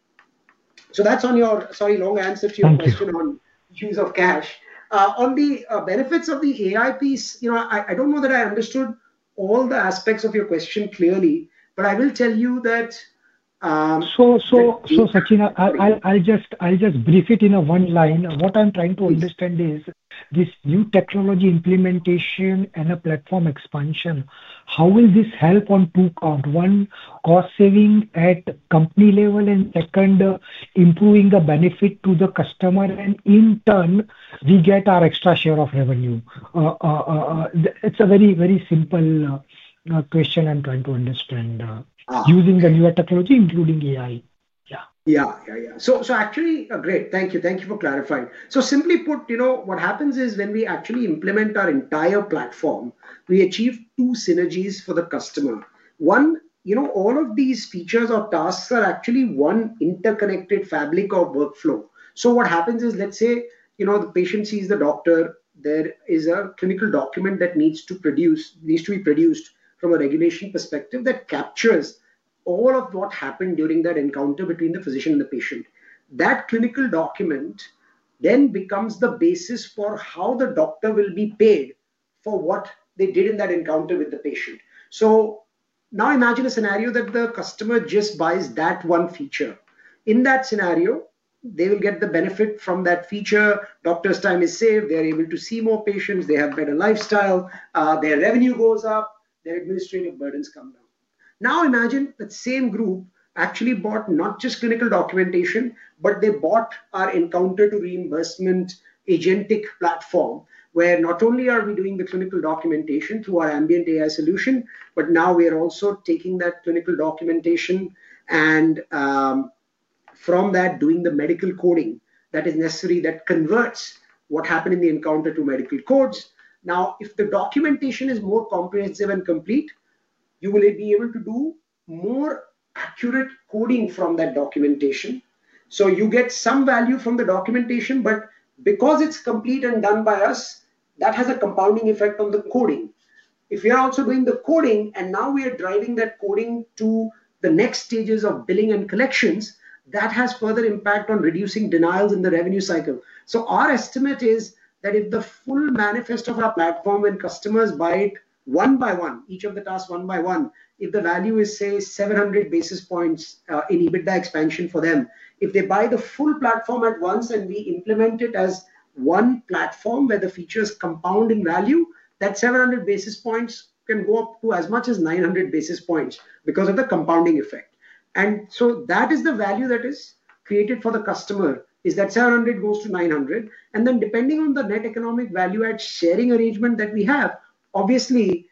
That's on your, sorry, long answer to your question on use of cash. On the benefits of the AI piece, I don't know that I understood all the aspects of your question clearly, but I will tell you that. Sachin, I'll just brief it in one line. What I'm trying to understand is this new technology implementation and a platform expansion. How will this help on two counts? One, cost saving at company level, and second, improving the benefit to the customer, and in turn, we get our extra share of revenue. It's a very, very simple question I'm trying to understand. Using the newer technology, including AI. Yeah. Yeah. Yeah. Yeah. Actually, great. Thank you. Thank you for clarifying. Simply put, what happens is when we actually implement our entire platform, we achieve two synergies for the customer. One, all of these features or tasks are actually one interconnected fabric of workflow. What happens is, let's say the patient sees the doctor. There is a clinical document that needs to be produced from a regulation perspective that captures all of what happened during that encounter between the physician and the patient. That clinical document then becomes the basis for how the doctor will be paid for what they did in that encounter with the patient. Now imagine a scenario that the customer just buys that one feature. In that scenario, they will get the benefit from that feature. Doctor's time is saved. They are able to see more patients. They have a better lifestyle. Their revenue goes up. Their administrative burdens come down. Now imagine the same group actually bought not just clinical documentation, but they bought our encounter-to-reimbursement agentic platform, where not only are we doing the clinical documentation through our ambient AI solution, but now we are also taking that clinical documentation and, from that, doing the medical coding that is necessary that converts what happened in the encounter to medical codes. If the documentation is more comprehensive and complete, you will be able to do more accurate coding from that documentation. You get some value from the documentation, but because it's complete and done by us, that has a compounding effect on the coding. If we are also doing the coding and now we are driving that coding to the next stages of billing and collections, that has further impact on reducing denials in the revenue cycle. Our estimate is that if the full manifest of our platform and customers buy it one by one, each of the tasks one by one, if the value is, say, 700 basis points in EBITDA expansion for them, if they buy the full platform at once and we implement it as one platform where the features compound in value, that 700 basis points can go up to as much as 900 basis points because of the compounding effect. That is the value that is created for the customer, is that 700 goes to 900. Depending on the net economic value-add sharing arrangement that we have, obviously,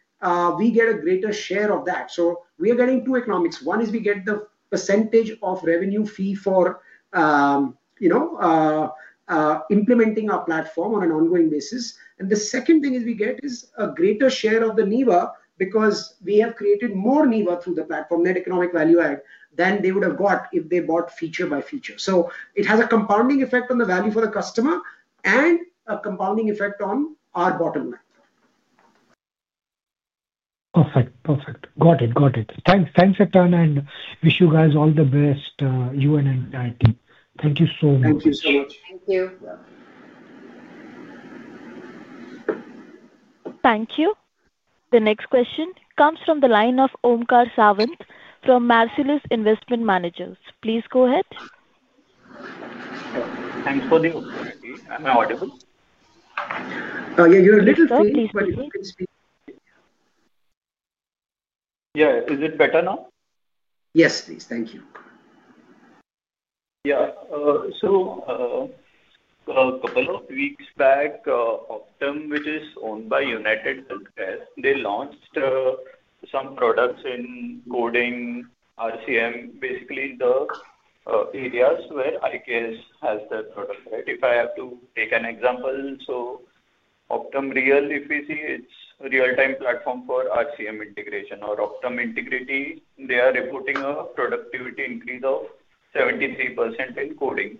we get a greater share of that. We are getting two economics. One is we get the percentage of revenue fee for implementing our platform on an ongoing basis. The second thing we get is a greater share of the NEWA because we have created more NEWA through the platform, net economic value-add, than they would have got if they bought feature by feature. It has a compounding effect on the value for the customer and a compounding effect on our bottom line. Perfect. Got it. Thanks, a ton. And wish you guys all the best, you and your team. Thank you so much. Thank you so much. Thank you. Thank you. The next question comes from the line of Omkar Sawant from Marcellus Investment Managers. Please go ahead. Thanks for the opportunity. Am I audible? Yeah. You're a little faded, but you can speak. Is it better now? Yes, please. Thank you. A couple of weeks back, Optum, which is owned by UnitedHealth Group, they launched some products in coding RCM, basically the areas where IKS Health has their product, right? If I have to take an example, Optum Real, if you see, it's a real-time platform for RCM integration or Optum Integrity. They are reporting a productivity increase of 73% in coding.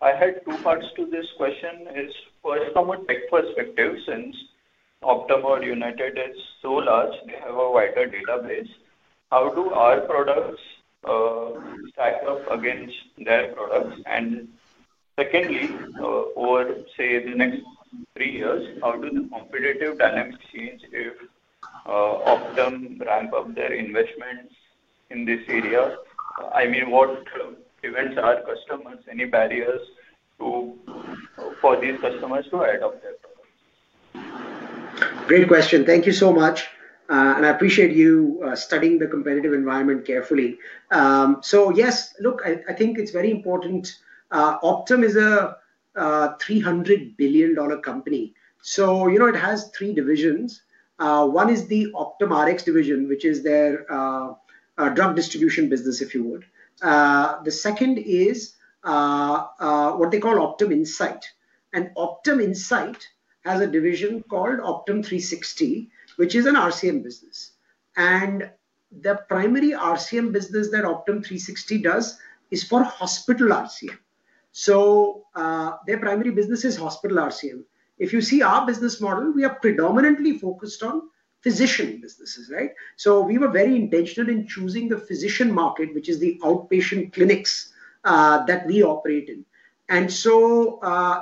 I had two parts to this question. First, from a tech perspective, since Optum or UnitedHealth Group is so large, they have a wider database. How do our products stack up against their products? Secondly, over, say, the next three years, how do the competitive dynamics change if Optum ramp up their investments in this area? I mean, what prevents our customers, any barriers for these customers to add up their products? Great question. Thank you so much. I appreciate you studying the competitive environment carefully. Yes, look, I think it's very important. Optum is a $300 billion company. It has three divisions. One is the OptumRx division, which is their drug distribution business, if you would. The second is what they call Optum Insight. Optum Insight has a division called Optum360, which is an RCM business. The primary RCM business that Optum360 does is for hospital RCM. Their primary business is hospital RCM. If you see our business model, we are predominantly focused on physician businesses, right? We were very intentional in choosing the physician market, which is the outpatient clinics that we operate in, and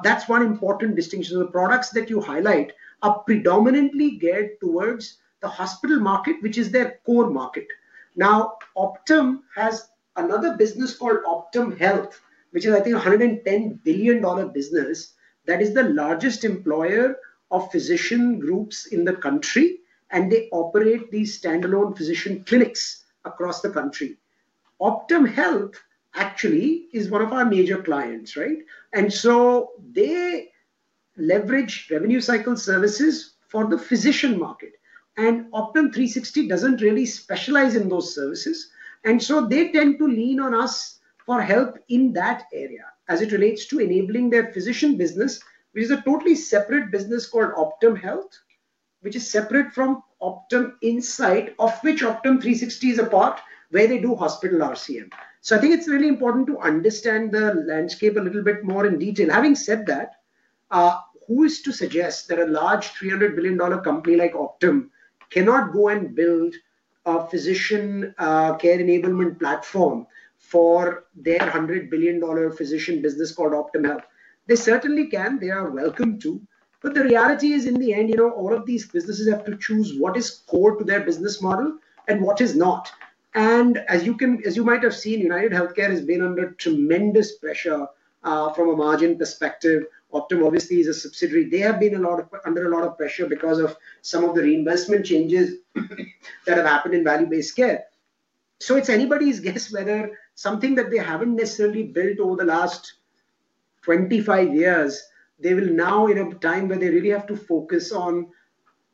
that's one important distinction. The products that you highlight are predominantly geared towards the hospital market, which is their core market. Optum has another business called Optum Health, which is, I think, a $110 billion business that is the largest employer of physician groups in the country, and they operate these standalone physician clinics across the country. Optum Health actually is one of our major clients, right? They leverage revenue cycle services for the physician market, and Optum360 doesn't really specialize in those services. They tend to lean on us for help in that area as it relates to enabling their physician business, which is a totally separate business called Optum Health, which is separate from Optum Insight, of which Optum360 is a part, where they do hospital RCM. I think it's really important to understand the landscape a little bit more in detail. Having said that, who is to suggest that a large $300 billion company like Optum cannot go and build a physician care enablement platform for their $100 billion physician business called Optum Health? They certainly can. They are welcome to. The reality is, in the end, all of these businesses have to choose what is core to their business model and what is not. As you might have seen, UnitedHealthcare has been under tremendous pressure from a margin perspective. Optum, obviously, is a subsidiary. They have been under a lot of pressure because of some of the reinvestment changes that have happened in value-based care. It's anybody's guess whether something that they haven't necessarily built over the last 25 years, they will now, in a time where they really have to focus on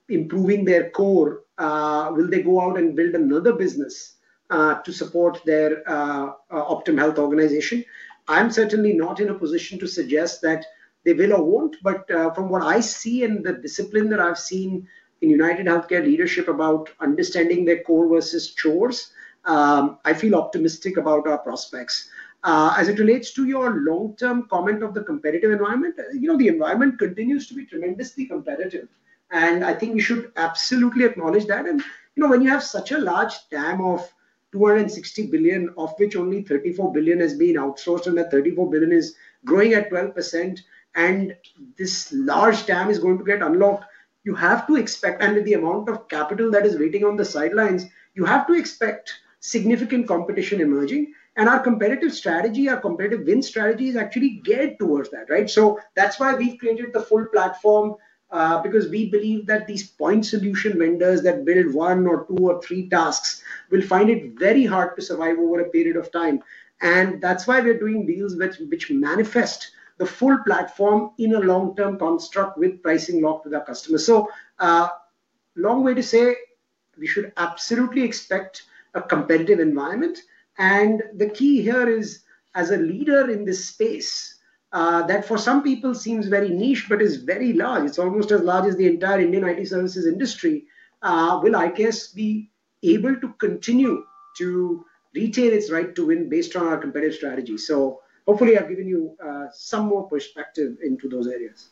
improving their core, go out and build another business to support their Optum Health organization. I'm certainly not in a position to suggest that they will or won't. From what I see and the discipline that I've seen in UnitedHealthcare leadership about understanding their core versus chores, I feel optimistic about our prospects. As it relates to your long-term comment of the competitive environment, the environment continues to be tremendously competitive. I think we should absolutely acknowledge that. When you have such a large TAM of $260 billion, of which only $34 billion has been outsourced and that $34 billion is growing at 12%, and this large TAM is going to get unlocked, you have to expect, with the amount of capital that is waiting on the sidelines, significant competition emerging. Our competitive strategy, our competitive win strategy, is actually geared towards that, right? That's why we've created the full platform, because we believe that these point solution vendors that build one or two or three tasks will find it very hard to survive over a period of time. That's why we're doing deals which manifest the full platform in a long-term construct with pricing locked with our customers. Long way to say, we should absolutely expect a competitive environment. The key here is, as a leader in this space that for some people seems very niche but is very large, it's almost as large as the entire Indian IT services industry. Will IKS be able to continue to retain its right to win based on our competitive strategy? Hopefully, I've given you some more perspective into those areas.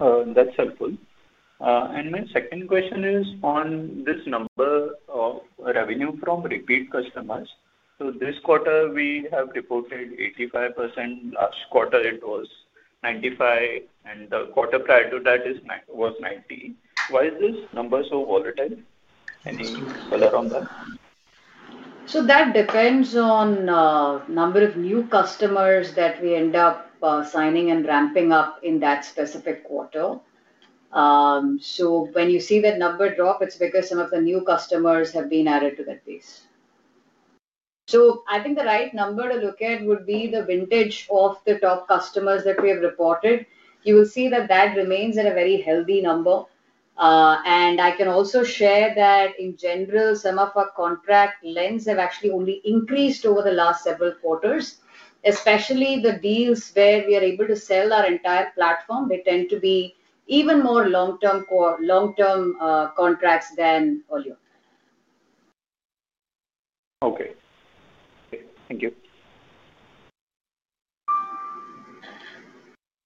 That's helpful. My second question is on this number of revenue from repeat customers. This quarter, we have reported 85%. Last quarter, it was 95%, and the quarter prior to that was 90%. Why is this number so volatile? Any color on that? That depends on the number of new customers that we end up signing and ramping up in that specific quarter. When you see that number drop, it's because some of the new customers have been added to that base. I think the right number to look at would be the vintage of the top customers that we have reported. You will see that remains at a very healthy number. I can also share that, in general, some of our contract lengths have actually only increased over the last several quarters, especially the deals where we are able to sell our entire platform. They tend to be even more long-term contracts than earlier.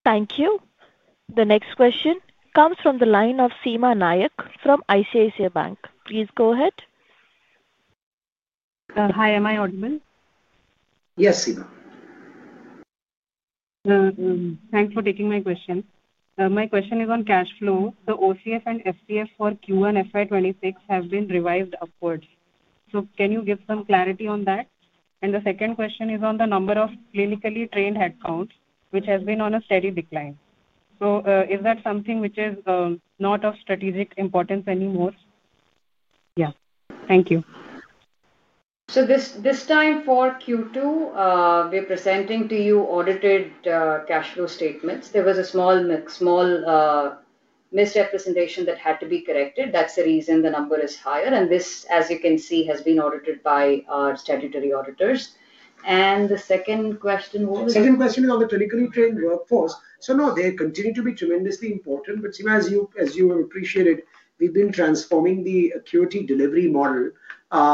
Thank you. The next question comes from the line of Seema Nayak from ICICI Bank. Please go ahead. Hi. Am I audible? Yes, Seema. Thanks for taking my question. My question is on cash flow. The OCF and FCF for Q1 FY 2026 have been revised upwards. Can you give some clarity on that? The second question is on the number of clinically trained headcounts, which has been on a steady decline. Is that something which is not of strategic importance anymore? Thank you. This time for Q2, we're presenting to you audited cash flow statements. There was a small misrepresentation that had to be corrected. That's the reason the number is higher. This, as you can see, has been audited by our statutory auditors. The second question is on the clinically trained workforce. No, they continue to be tremendously important. Seema, as you will appreciate, we've been transforming the AQuity delivery model,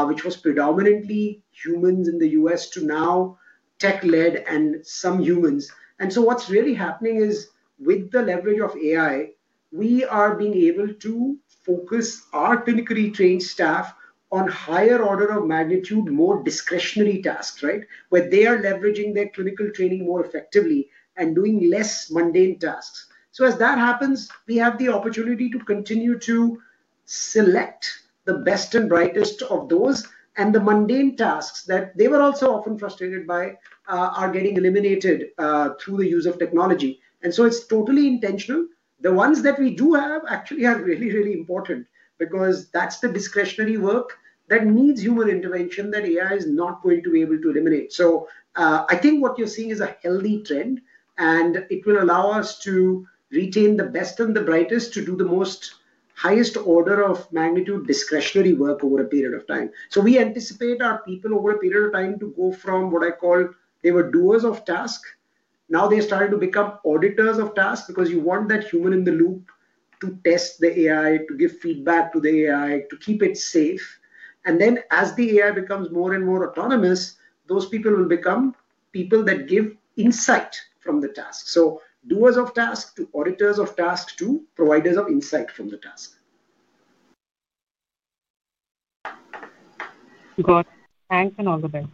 which was predominantly humans in the U.S. to now tech-led and some humans. What's really happening is, with the leverage of AI, we are being able to focus our clinically trained staff on higher order of magnitude, more discretionary tasks, where they are leveraging their clinical training more effectively and doing less mundane tasks. As that happens, we have the opportunity to continue to select the best and brightest of those. The mundane tasks that they were also often frustrated by are getting eliminated through the use of technology. It's totally intentional. The ones that we do have actually are really, really important because that's the discretionary work that needs human intervention that AI is not going to be able to eliminate. I think what you're seeing is a healthy trend, and it will allow us to retain the best and the brightest to do the most highest order of magnitude discretionary work over a period of time. We anticipate our people, over a period of time, to go from what I call they were doers of task. Now they're starting to become auditors of tasks because you want that human in the loop to test the AI, to give feedback to the AI, to keep it safe. As the AI becomes more and more autonomous, those people will become people that give insight from the task. Doers of tasks to auditors of tasks to providers of insight from the task. Good. Thanks and all the best.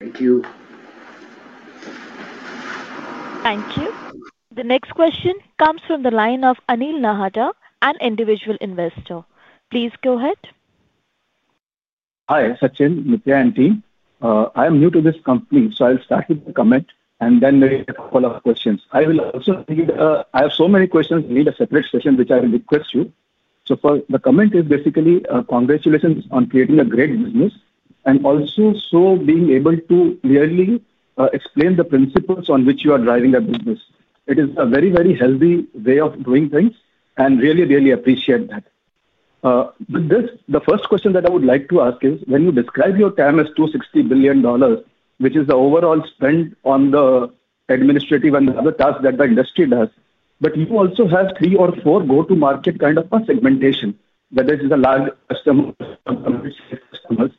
Thank you. Thank you. The next question comes from the line of Anil Nahata, an individual investor. Please go ahead. Hi, Sachin, Nithya and team. I am new to this company, so I'll start with the comment, and then maybe a couple of questions. I will also need—I have so many questions, I need a separate session, which I will request you. The comment is basically congratulations on creating a great business and also being able to clearly explain the principles on which you are driving a business. It is a very, very healthy way of doing things, and I really, really appreciate that. The first question that I would like to ask is, when you describe your TAM as $260 billion, which is the overall spend on the administrative and other tasks that the industry does, you also have three or four go-to-market kind of segmentation, whether it's a large customer or a customer base.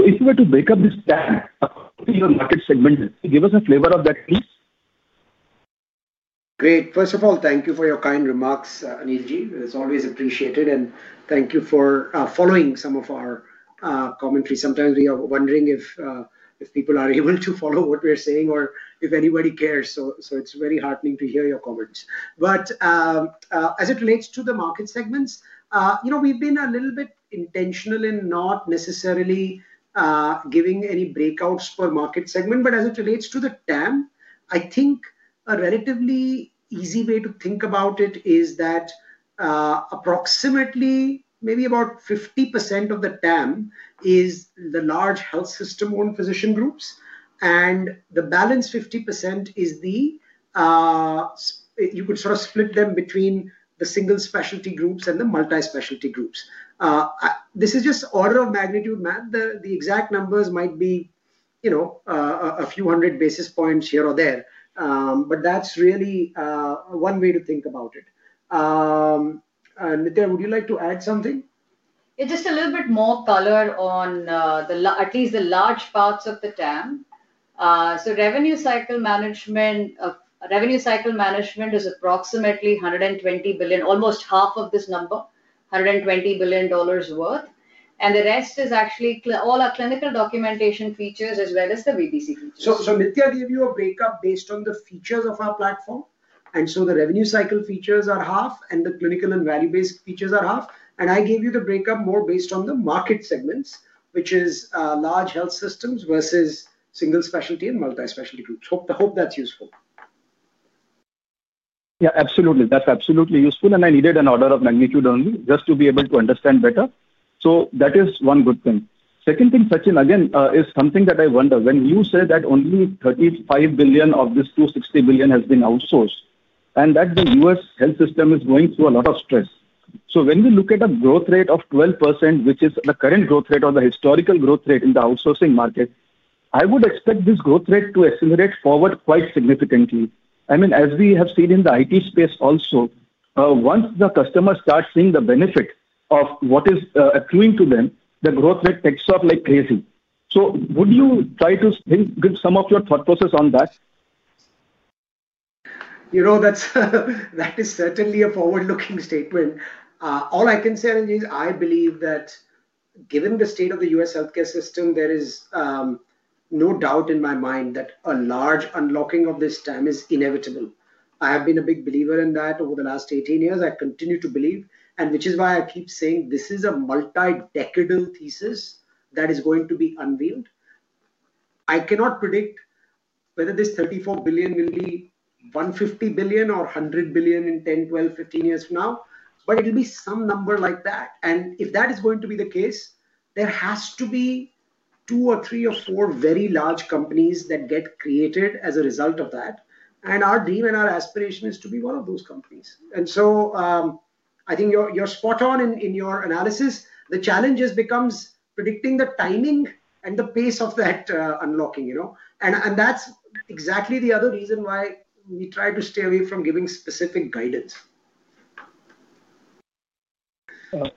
If you were to break up this TAM, what is your market segment? Give us a flavor of that, please. Great. First of all, thank you for your kind remarks, Anil. It's always appreciated. Thank you for following some of our commentary. Sometimes we are wondering if people are able to follow what we're saying or if anybody cares. It's very heartening to hear your comments. As it relates to the market segments, we've been a little bit intentional in not necessarily giving any breakouts per market segment. As it relates to the TAM, I think a relatively easy way to think about it is that approximately maybe about 50% of the TAM is the large health system-owned physician groups, and the balance 50% is the—you could sort of split them between the single specialty groups and the multi-specialty groups. This is just order of magnitude. The exact numbers might be a few hundred basis points here or there. That's really one way to think about it. Nithya, would you like to add something? It's just a little more. Color on, at least the large parts of the TAM. Revenue cycle management is approximately $120 billion, almost half of this number, $120 billion worth. The rest is actually all our clinical documentation features as well as the VBC features. Nithya gave you a breakup based on the features of our platform. The revenue cycle features are half, and the clinical and value-based features are half. I gave you the breakup more based on the market segments, which is large health systems versus single specialty and multi-specialty groups. Hope that's useful. Yeah, absolutely. That's absolutely useful. I needed an order of magnitude only just to be able to understand better. That is one good thing. Second thing, Sachin, again, is something that I wonder. When you say that only $35 billion of this $260 billion has been outsourced, and that the U.S. health system is going through a lot of stress. When we look at a growth rate of 12%, which is the current growth rate or the historical growth rate in the outsourcing market, I would expect this growth rate to accelerate forward quite significantly. I mean, as we have seen in the IT space also, once the customer starts seeing the benefit of what is accruing to them, the growth rate takes off like crazy. Would you try to think some of your thought process on that? You know, that is certainly a forward-looking statement. All I can say is I believe that, given the state of the U.S. healthcare system, there is no doubt in my mind that a large unlocking of this TAM is inevitable. I have been a big believer in that over the last 18 years. I continue to believe, which is why I keep saying this is a multi-decadal thesis that is going to be unveiled. I cannot predict whether this $34 billion will be $150 billion or $100 billion in 10, 12, 15 years from now, but it'll be some number like that. If that is going to be the case, there have to be two or three or four very large companies that get created as a result of that. Our dream and our aspiration is to be one of those companies. I think you're spot on in your analysis. The challenge becomes predicting the timing and the pace of that unlocking, you know? That's exactly the other reason why we try to stay away from giving specific guidance.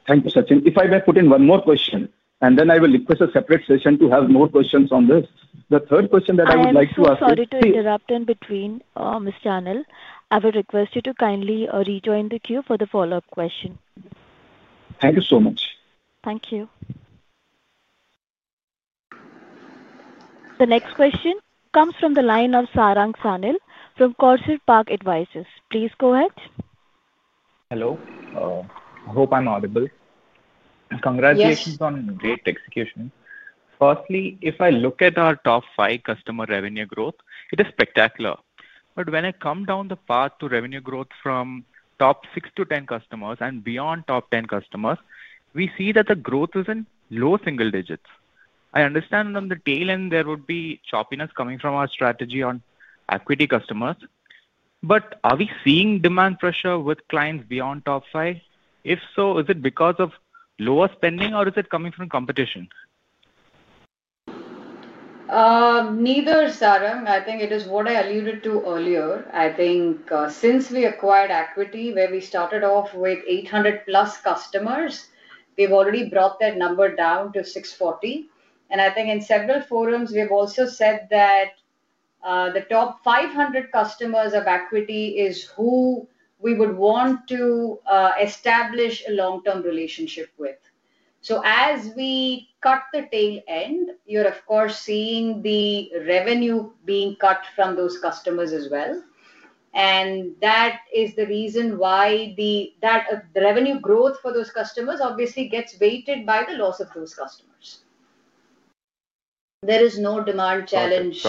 Thank you, Sachin. If I may put in one more question, I will request a separate session to have more questions on this. The third question that I would like to ask is, Sorry to interrupt in between, on this channel. I would request you to kindly rejoin the queue for the follow-up question. Thank you so much. Thank you. The next question comes from the line of Sarang Sanil from Courser Park Advisors. Please go ahead. Hello. I hope I'm audible. Congratulations on great execution. Firstly, if I look at our top five customer revenue growth, it is spectacular. When I come down the path to revenue growth from top 6 to 10 customers and beyond top 10 customers, we see that the growth is in low single digits. I understand on the tail end there would be choppiness coming from our strategy on equity customers. Are we seeing demand pressure with clients beyond top five? If so, is it because of lower spending, or is it coming from competition? Neither, Sarang. I think it is what I alluded to earlier. I think, since we acquired AQuity, where we started off with 800-plus customers, we've already brought that number down to 640. I think in several forums, we've also said that the top 500 customers of AQuity is who we would want to establish a long-term relationship with. As we cut the tail end, you're, of course, seeing the revenue being cut from those customers as well. That is the reason why the revenue growth for those customers obviously gets weighted by the loss of those customers. There is no demand challenge,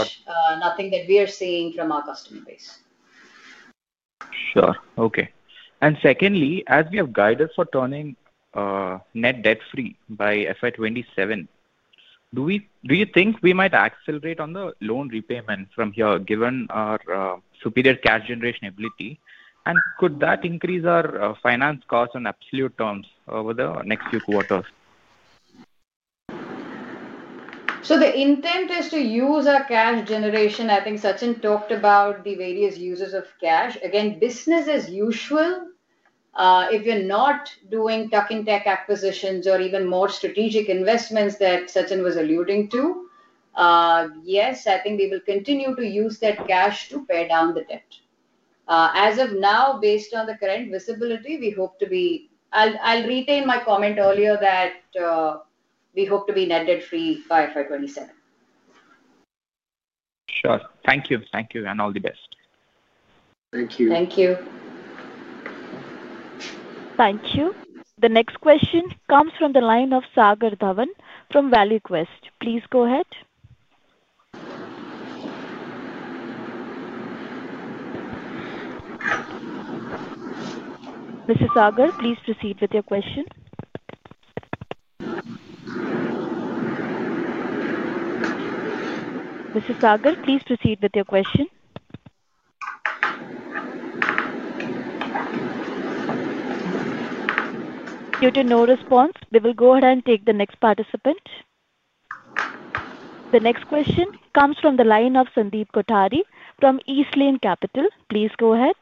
nothing that we are seeing from our customer base. Sure. Okay. Secondly, as we have guidance for turning net debt-free by FY 2027, do you think we might accelerate on the loan repayment from here, given our superior cash generation ability? Could that increase our finance costs on absolute terms over the next few quarters? The intent is to use our cash generation. I think Sachin talked about the various uses of cash. Again, business as usual. If you're not doing tuck-in tech acquisitions or even more strategic investments that Sachin was alluding to, yes, I think we will continue to use that cash to pay down the debt. As of now, based on the current visibility, we hope to be net debt-free by FY 2027. Sure. Thank you. Thank you and all the best. Thank you. Thank you. Thank you. The next question comes from the line of Sagar Dhawan from ValueQuest. Please go ahead. Mr. Sagar, please proceed with your question. Due to no response, we will go ahead and take the next participant. The next question comes from the line of Sandeep Kothari from East Lane Capital. Please go ahead.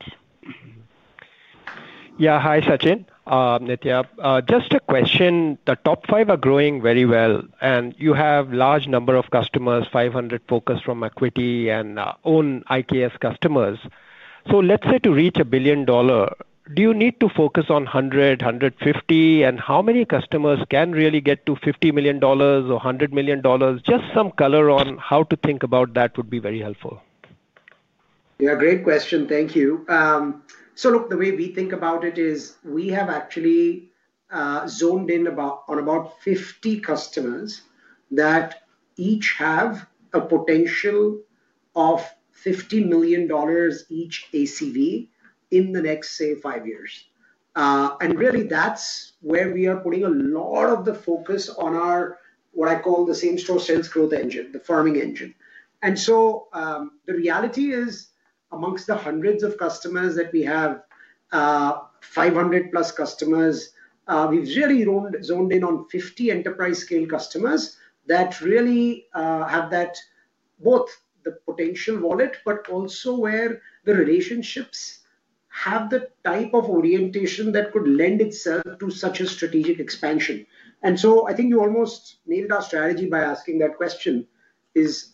Yeah. Hi, Sachin. Nithya, just a question. The top five are growing very well, and you have a large number of customers, 500 focused from AQuity and own IKS customers. Let's say to reach a $1 billion, do you need to focus on 100, 150? How many customers can really get to $50 million or $100 million? Just some color on how to think about that would be very helpful. Yeah. Great question. Thank you. The way we think about it is we have actually zoned in on about 50 customers that each have a potential of $50 million each ACV in the next, say, five years. That's where we are putting a lot of the focus on what I call the same-store sales growth engine, the farming engine. The reality is, amongst the hundreds of customers that we have, 500-plus customers, we've really zoned in on 50 enterprise-scale customers that really have that, both the potential wallet, but also where the relationships have the type of orientation that could lend itself to such a strategic expansion. I think you almost nailed our strategy by asking that question,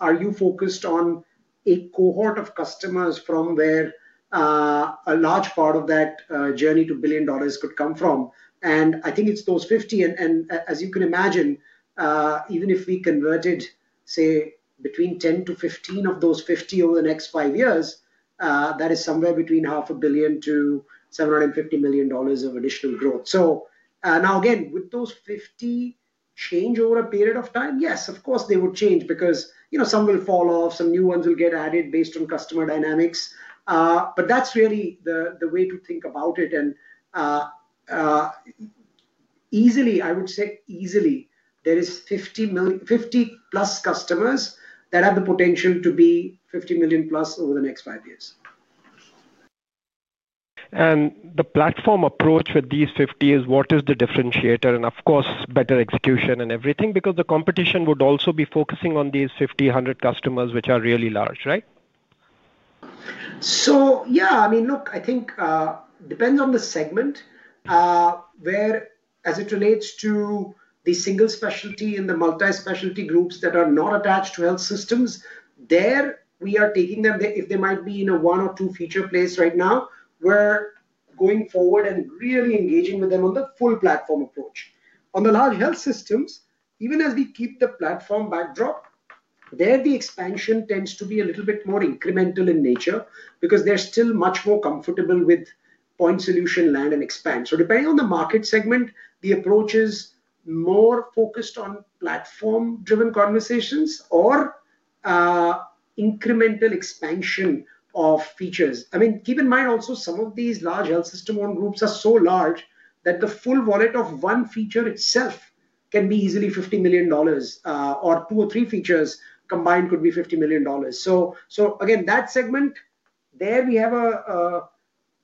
are you focused on a cohort of customers from where a large part of that journey to a billion dollars could come from? I think it's those 50. As you can imagine, even if we converted, say, between 10 to 15 of those 50 over the next five years, that is somewhere between $500 million to $750 million of additional growth. Now, again, would those 50 change over a period of time? Yes, of course, they would change because some will fall off, some new ones will get added based on customer dynamics. That's really the way to think about it. Easily, I would say, there is 50-plus customers that have the potential to be $50 million-plus over the next five years. The platform approach with these 50 is what is the differentiator? Of course, better execution and everything because the competition would also be focusing on these 50, 100 customers, which are really large, right? I mean, look, I think it depends on the segment. Where as it relates to the single specialty and the multi-specialty groups that are not attached to health systems, there we are taking them if they might be in a one or two-feature place right now, we're going forward and really engaging with them on the full platform approach. On the large health systems, even as we keep the platform backdrop, the expansion tends to be a little bit more incremental in nature because they're still much more comfortable with point solution, land, and expand. Depending on the market segment, the approach is more focused on platform-driven conversations or incremental expansion of features. Keep in mind also some of these large health system-owned groups are so large that the full wallet of one feature itself can be easily $50 million, or two or three features combined could be $50 million. Again, that segment, there we have a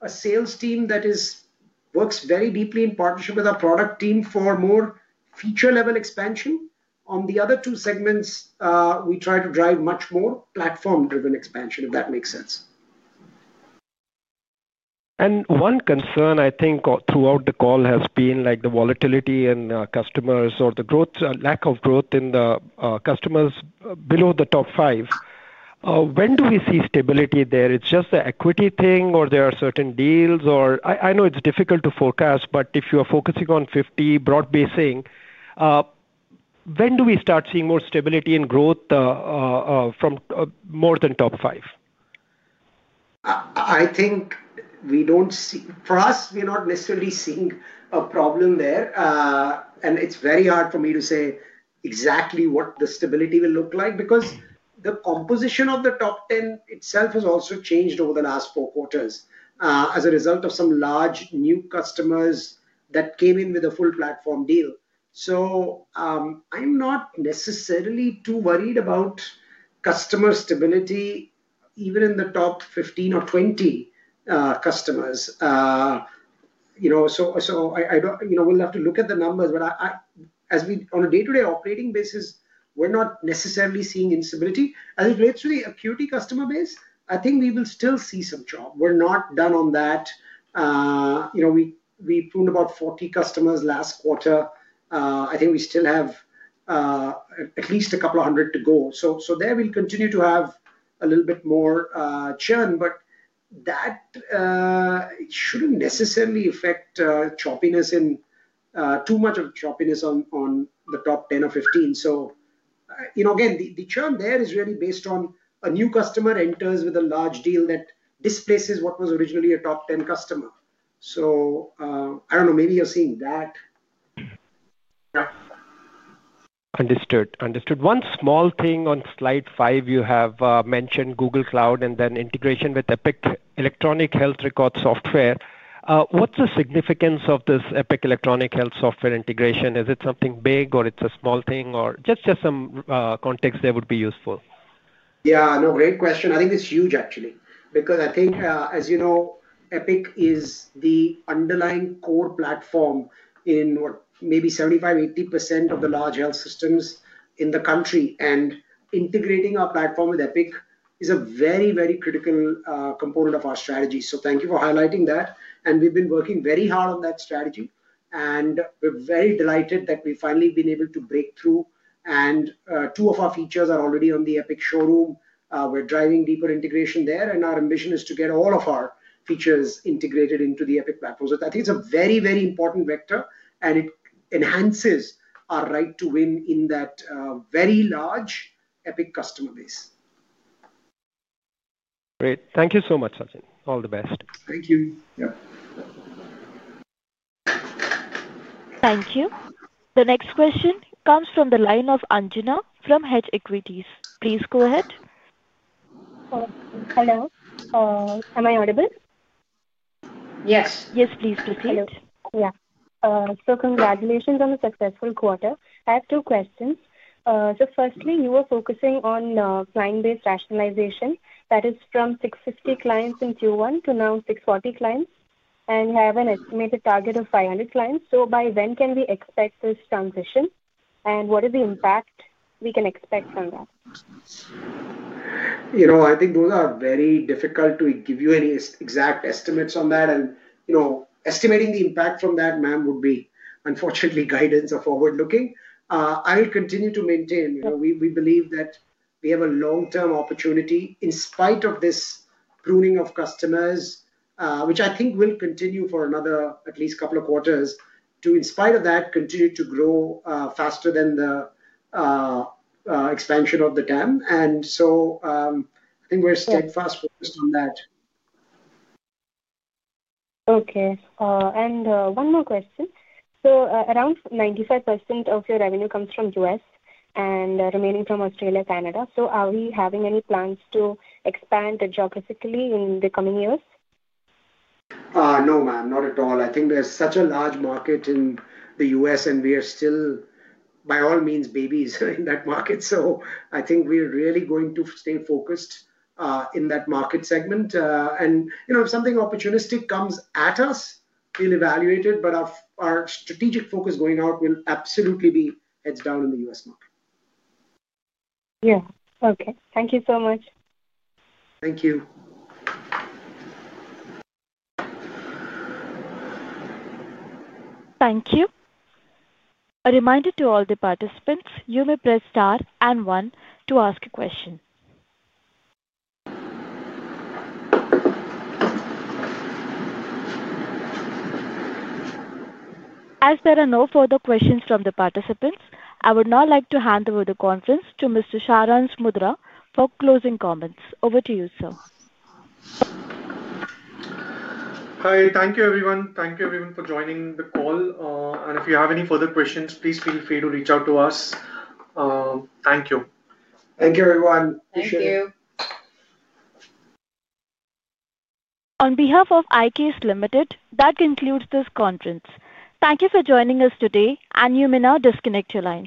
sales team that works very deeply in partnership with our product team for more feature-level expansion. On the other two segments, we try to drive much more platform-driven expansion, if that makes sense. One concern I think throughout the call has been the volatility in customers or the lack of growth in the customers below the top five. When do we see stability there? Is it just the equity thing, or are there certain deals? I know it's difficult to forecast, but if you are focusing on 50 broad basing, when do we start seeing more stability in growth from more than the top five? I think we don't see for us, we're not necessarily seeing a problem there. It's very hard for me to say exactly what the stability will look like because the composition of the top 10 itself has also changed over the last four quarters as a result of some large new customers that came in with a full platform deal. I'm not necessarily too worried about customer stability, even in the top 15 or 20 customers. I don't, you know, we'll have to look at the numbers, but as we, on a day-to-day operating basis, we're not necessarily seeing instability. As it relates to the AQuity customer base, I think we will still see some chop. We're not done on that. We pruned about 40 customers last quarter. I think we still have at least a couple of hundred to go. There we'll continue to have a little bit more churn, but that shouldn't necessarily affect too much of choppiness on the top 10 or 15. The churn there is really based on a new customer enters with a large deal that displaces what was originally a top 10 customer. I don't know. Maybe you're seeing that. Yeah. Understood. One small thing, on slide five, you have mentioned Google Cloud and then integration with Epic Electronic Health Record Software. What's the significance of this Epic Electronic Health Record Software integration? Is it something big, or it's a small thing? Just some context there would be useful. Yeah. No, great question. I think it's huge, actually, because I think, as you know, Epic is the underlying core platform in what maybe 75% to 80% of the large health systems in the U.S. Integrating our platform with Epic is a very, very critical component of our strategy. Thank you for highlighting that. We've been working very hard on that strategy, and we're very delighted that we've finally been able to break through. Two of our features are already on the Epic showroom, and we're driving deeper integration there. Our ambition is to get all of our features integrated into the Epic platform. I think it's a very, very important vector, and it enhances our right to win in that very large Epic customer base. Great. Thank you so much, Sachin. All the best. Thank you. Yeah. Thank you. The next question comes from the line of Anjana from Hedge Equities. Please go ahead. Hello. Am I audible? Yes. Yes, please. Hello. Yeah, congratulations on a successful quarter. I have two questions. Firstly, you were focusing on client-based rationalization, that is from 650 clients in Q1 to now 640 clients, and you have an estimated target of 500 clients. By when can we expect this transition, and what is the impact we can expect from that? I think those are very difficult to give you any exact estimates on. Estimating the impact from that, ma'am, would be unfortunately guidance or forward-looking. I will continue to maintain, we believe that we have a long-term opportunity in spite of this pruning of customers, which I think will continue for at least another couple of quarters. In spite of that, we continue to grow faster than the expansion of the TAM. I think we're steadfast focused on that. Okay, one more question. Around 95% of your revenue comes from the U.S., and the remaining from Australia and Canada. Are we having any plans to expand geographically in the coming years? No, ma'am, not at all. I think there's such a large market in the U.S., and we are still, by all means, babies in that market. I think we are really going to stay focused in that market segment, and, you know, if something opportunistic comes at us, we'll evaluate it. Our strategic focus going out will absolutely be heads down in the U.S. market. Yeah, okay. Thank you so much. Thank you. Thank you. A reminder to all the participants, you may press star and one to ask a question. As there are no further questions from the participants, I would now like to hand over the conference to Mr. Saransh Mundra for closing comments. Over to you, sir. Hi. Thank you, everyone, for joining the call. If you have any further questions, please feel free to reach out to us. Thank you. Thank you, everyone. Thank you. On behalf of IKS Limited, that concludes this conference. Thank you for joining us today. You may now disconnect your lines.